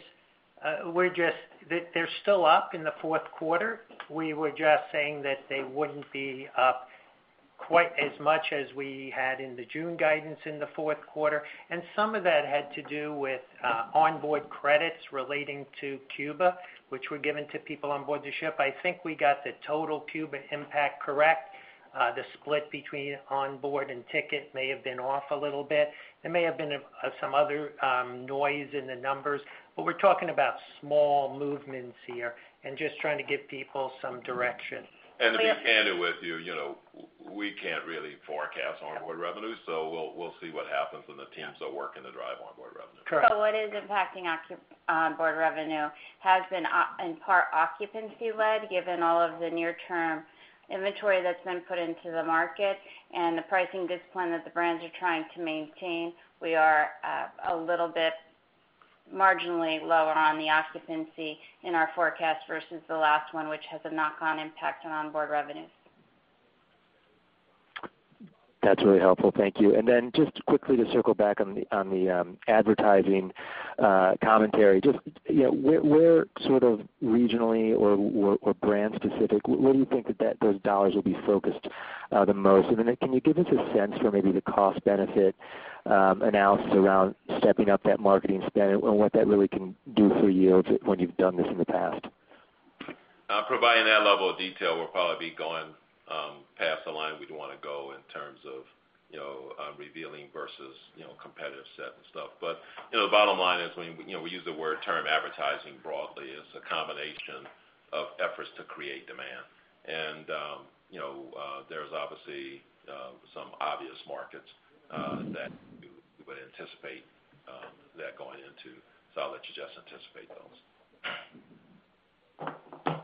B: they're still up in the fourth quarter. We were just saying that they wouldn't be up quite as much as we had in the June guidance in the fourth quarter. Some of that had to do with onboard credits relating to Cuba, which were given to people onboard the ship. I think we got the total Cuba impact correct. The split between onboard and ticket may have been off a little bit. There may have been some other noise in the numbers. We're talking about small movements here and just trying to give people some direction.
A: To be candid with you, we can't really forecast onboard revenue. We'll see what happens when the teams are working to drive onboard revenue.
B: Correct.
E: What is impacting onboard revenue has been, in part, occupancy-led, given all of the near-term inventory that's been put into the market and the pricing discipline that the brands are trying to maintain. We are a little bit marginally lower on the occupancy in our forecast versus the last one, which has a knock-on impact on onboard revenues.
J: That's really helpful. Thank you. Just quickly to circle back on the advertising commentary. Just where regionally or brand specific, where do you think those dollars will be focused the most? Can you give us a sense for maybe the cost-benefit analysis around stepping up that marketing spend and what that really can do for yields when you've done this in the past?
A: Providing that level of detail will probably be going past the line we'd want to go in terms of revealing versus competitive set and stuff. The bottom line is, we use the term advertising broadly. It's a combination of efforts to create demand. There's obviously some obvious markets that you would anticipate that going into, so I'll let you just anticipate those.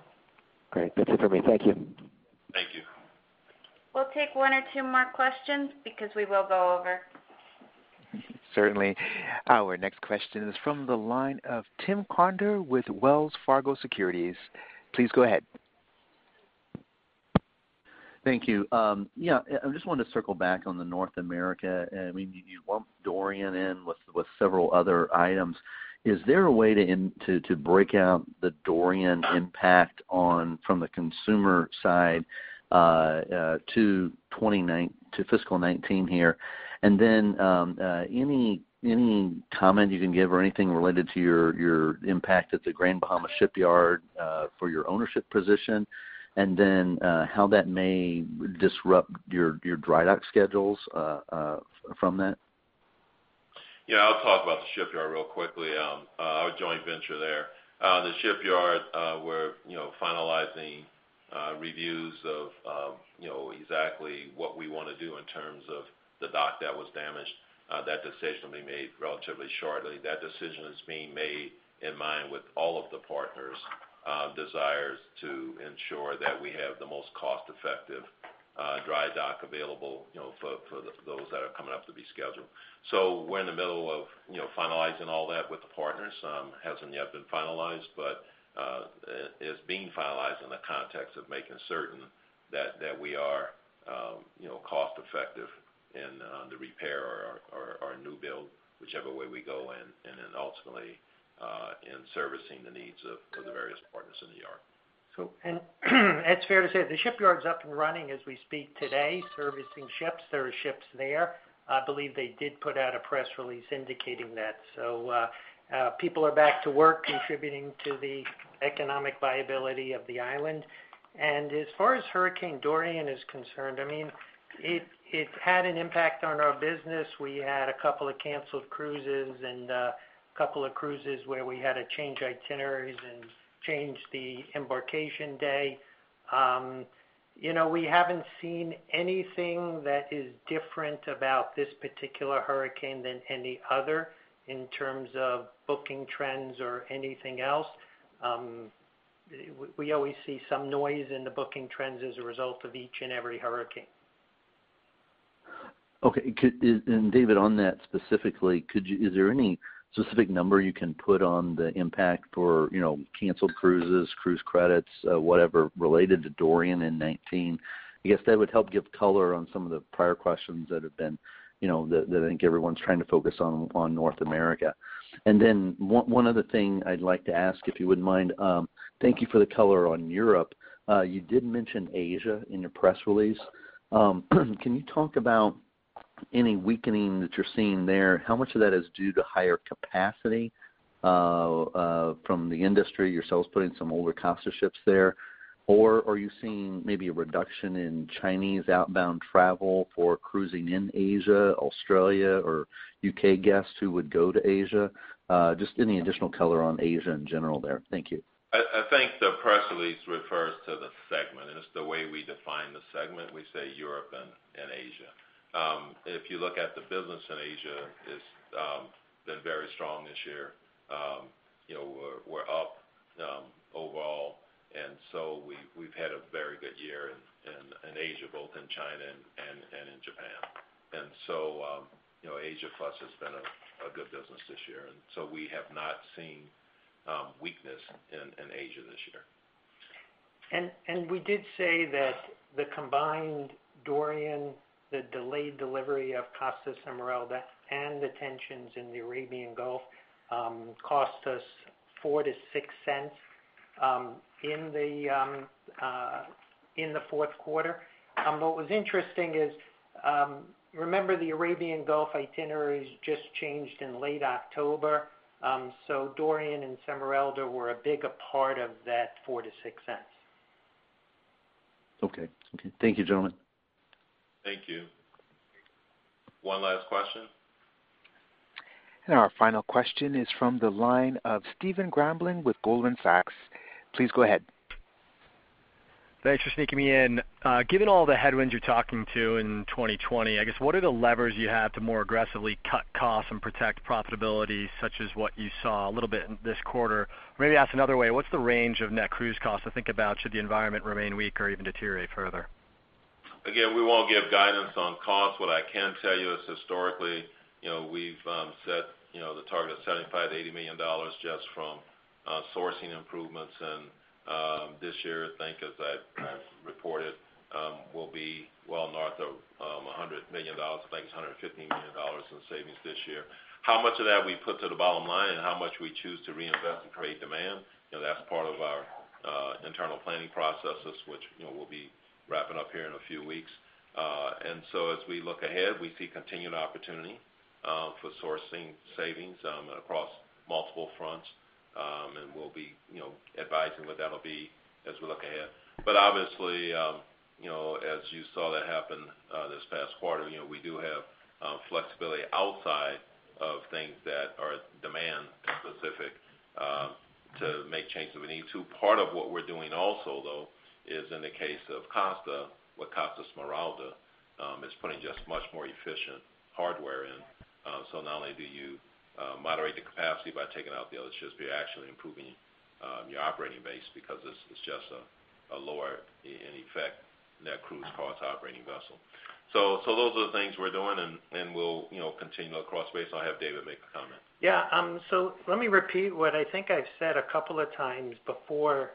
J: Great. That's it for me. Thank you.
A: Thank you.
E: We'll take one or two more questions because we will go over.
C: Certainly. Our next question is from the line of Tim Conder with Wells Fargo Securities. Please go ahead.
K: Thank you. Yeah, I just wanted to circle back on the North America. You lumped Dorian in with several other items. Is there a way to break out the Dorian impact from the consumer side to fiscal 2019 here? Any comment you can give or anything related to your impact at the Grand Bahama Shipyard for your ownership position, and then how that may disrupt your dry dock schedules from that?
A: I'll talk about the shipyard real quickly, our joint venture there. The shipyard, we're finalizing reviews of exactly what we want to do in terms of the dock that was damaged. That decision will be made relatively shortly. That decision is being made in mind with all of the partners' desires to ensure that we have the most cost-effective dry dock available for those that are coming up to be scheduled. We're in the middle of finalizing all that with the partners. Hasn't yet been finalized, but it's being finalized in the context of making certain that we are cost-effective in the repair or new build, whichever way we go, and then ultimately, in servicing the needs of the various partners in the yard.
B: It's fair to say the shipyard's up and running as we speak today, servicing ships. There are ships there. I believe they did put out a press release indicating that. People are back to work contributing to the economic viability of the island. As far as Hurricane Dorian is concerned, it had an impact on our business. We had a couple of canceled cruises and a couple of cruises where we had to change itineraries and change the embarkation day. We haven't seen anything that is different about this particular hurricane than any other in terms of booking trends or anything else. We always see some noise in the booking trends as a result of each and every hurricane.
K: Okay. David, on that specifically, is there any specific number you can put on the impact or canceled cruises, cruise credits, whatever, related to Hurricane Dorian in 2019? I guess that would help give color on some of the prior questions that I think everyone's trying to focus on North America. Then one other thing I'd like to ask, if you wouldn't mind. Thank you for the color on Europe. You did mention Asia in your press release. Can you talk about any weakening that you're seeing there, how much of that is due to higher capacity from the industry, yourselves putting some older Costa ships there? Are you seeing maybe a reduction in Chinese outbound travel for cruising in Asia, Australia, or U.K. guests who would go to Asia? Just any additional color on Asia in general there. Thank you.
A: I think the press release refers to the segment, and it's the way we define the segment. We say Europe and Asia. If you look at the business in Asia, it's been very strong this year. We're up overall, and so we've had a very good year in Asia, both in China and in Japan. Asia plus has been a good business this year, and so we have not seen weakness in Asia this year.
B: We did say that the combined Dorian, the delayed delivery of Costa Smeralda, and the tensions in the Arabian Gulf cost us $0.04-$0.06 in the fourth quarter. What was interesting is, remember the Arabian Gulf itineraries just changed in late October, so Dorian and Smeralda were a bigger part of that $0.04-$0.06.
K: Okay. Thank you, gentlemen.
A: Thank you. One last question.
C: Our final question is from the line of Stephen Grambling with Goldman Sachs. Please go ahead.
L: Thanks for sneaking me in. Given all the headwinds you're talking to in 2020, I guess, what are the levers you have to more aggressively cut costs and protect profitability, such as what you saw a little bit this quarter? Or maybe asked another way, what's the range of net cruise costs to think about should the environment remain weak or even deteriorate further?
A: We won't give guidance on cost. What I can tell you is historically, we've set the target of $75 million-$80 million just from sourcing improvements. This year, I think as I've reported, we'll be well north of $100 million. I think it's $150 million in savings this year. How much of that we put to the bottom line and how much we choose to reinvest and create demand, that's part of our internal planning processes, which we'll be wrapping up here in a few weeks. As we look ahead, we see continued opportunity for sourcing savings across multiple fronts, and we'll be advising what that'll be as we look ahead. Obviously, as you saw that happen this past quarter, we do have flexibility outside of things that are demand-specific to make changes if we need to. Part of what we're doing also, though, is in the case of Costa, with Costa Smeralda, is putting just much more efficient hardware in. Not only do you moderate the capacity by taking out the other ships, but you're actually improving your operating base because it's just a lower, in effect, net cruise cost operating vessel. Those are the things we're doing, and we'll continue across base. I'll have David make a comment.
B: Yeah. Let me repeat what I think I've said a couple of times before.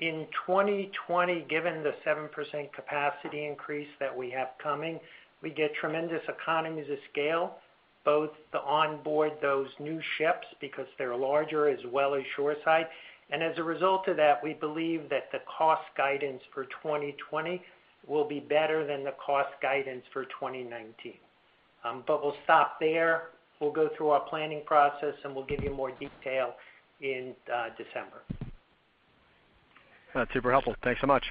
B: In 2020, given the 7% capacity increase that we have coming, we get tremendous economies of scale, both to onboard those new ships because they're larger, as well as shoreside. As a result of that, we believe that the cost guidance for 2020 will be better than the cost guidance for 2019. We'll stop there. We'll go through our planning process, and we'll give you more detail in December.
L: That's super helpful. Thanks so much.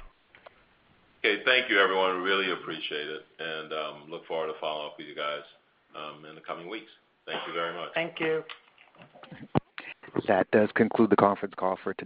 A: Okay. Thank you, everyone. Really appreciate it. Look forward to following up with you guys in the coming weeks. Thank you very much.
B: Thank you.
C: That does conclude the conference call for today.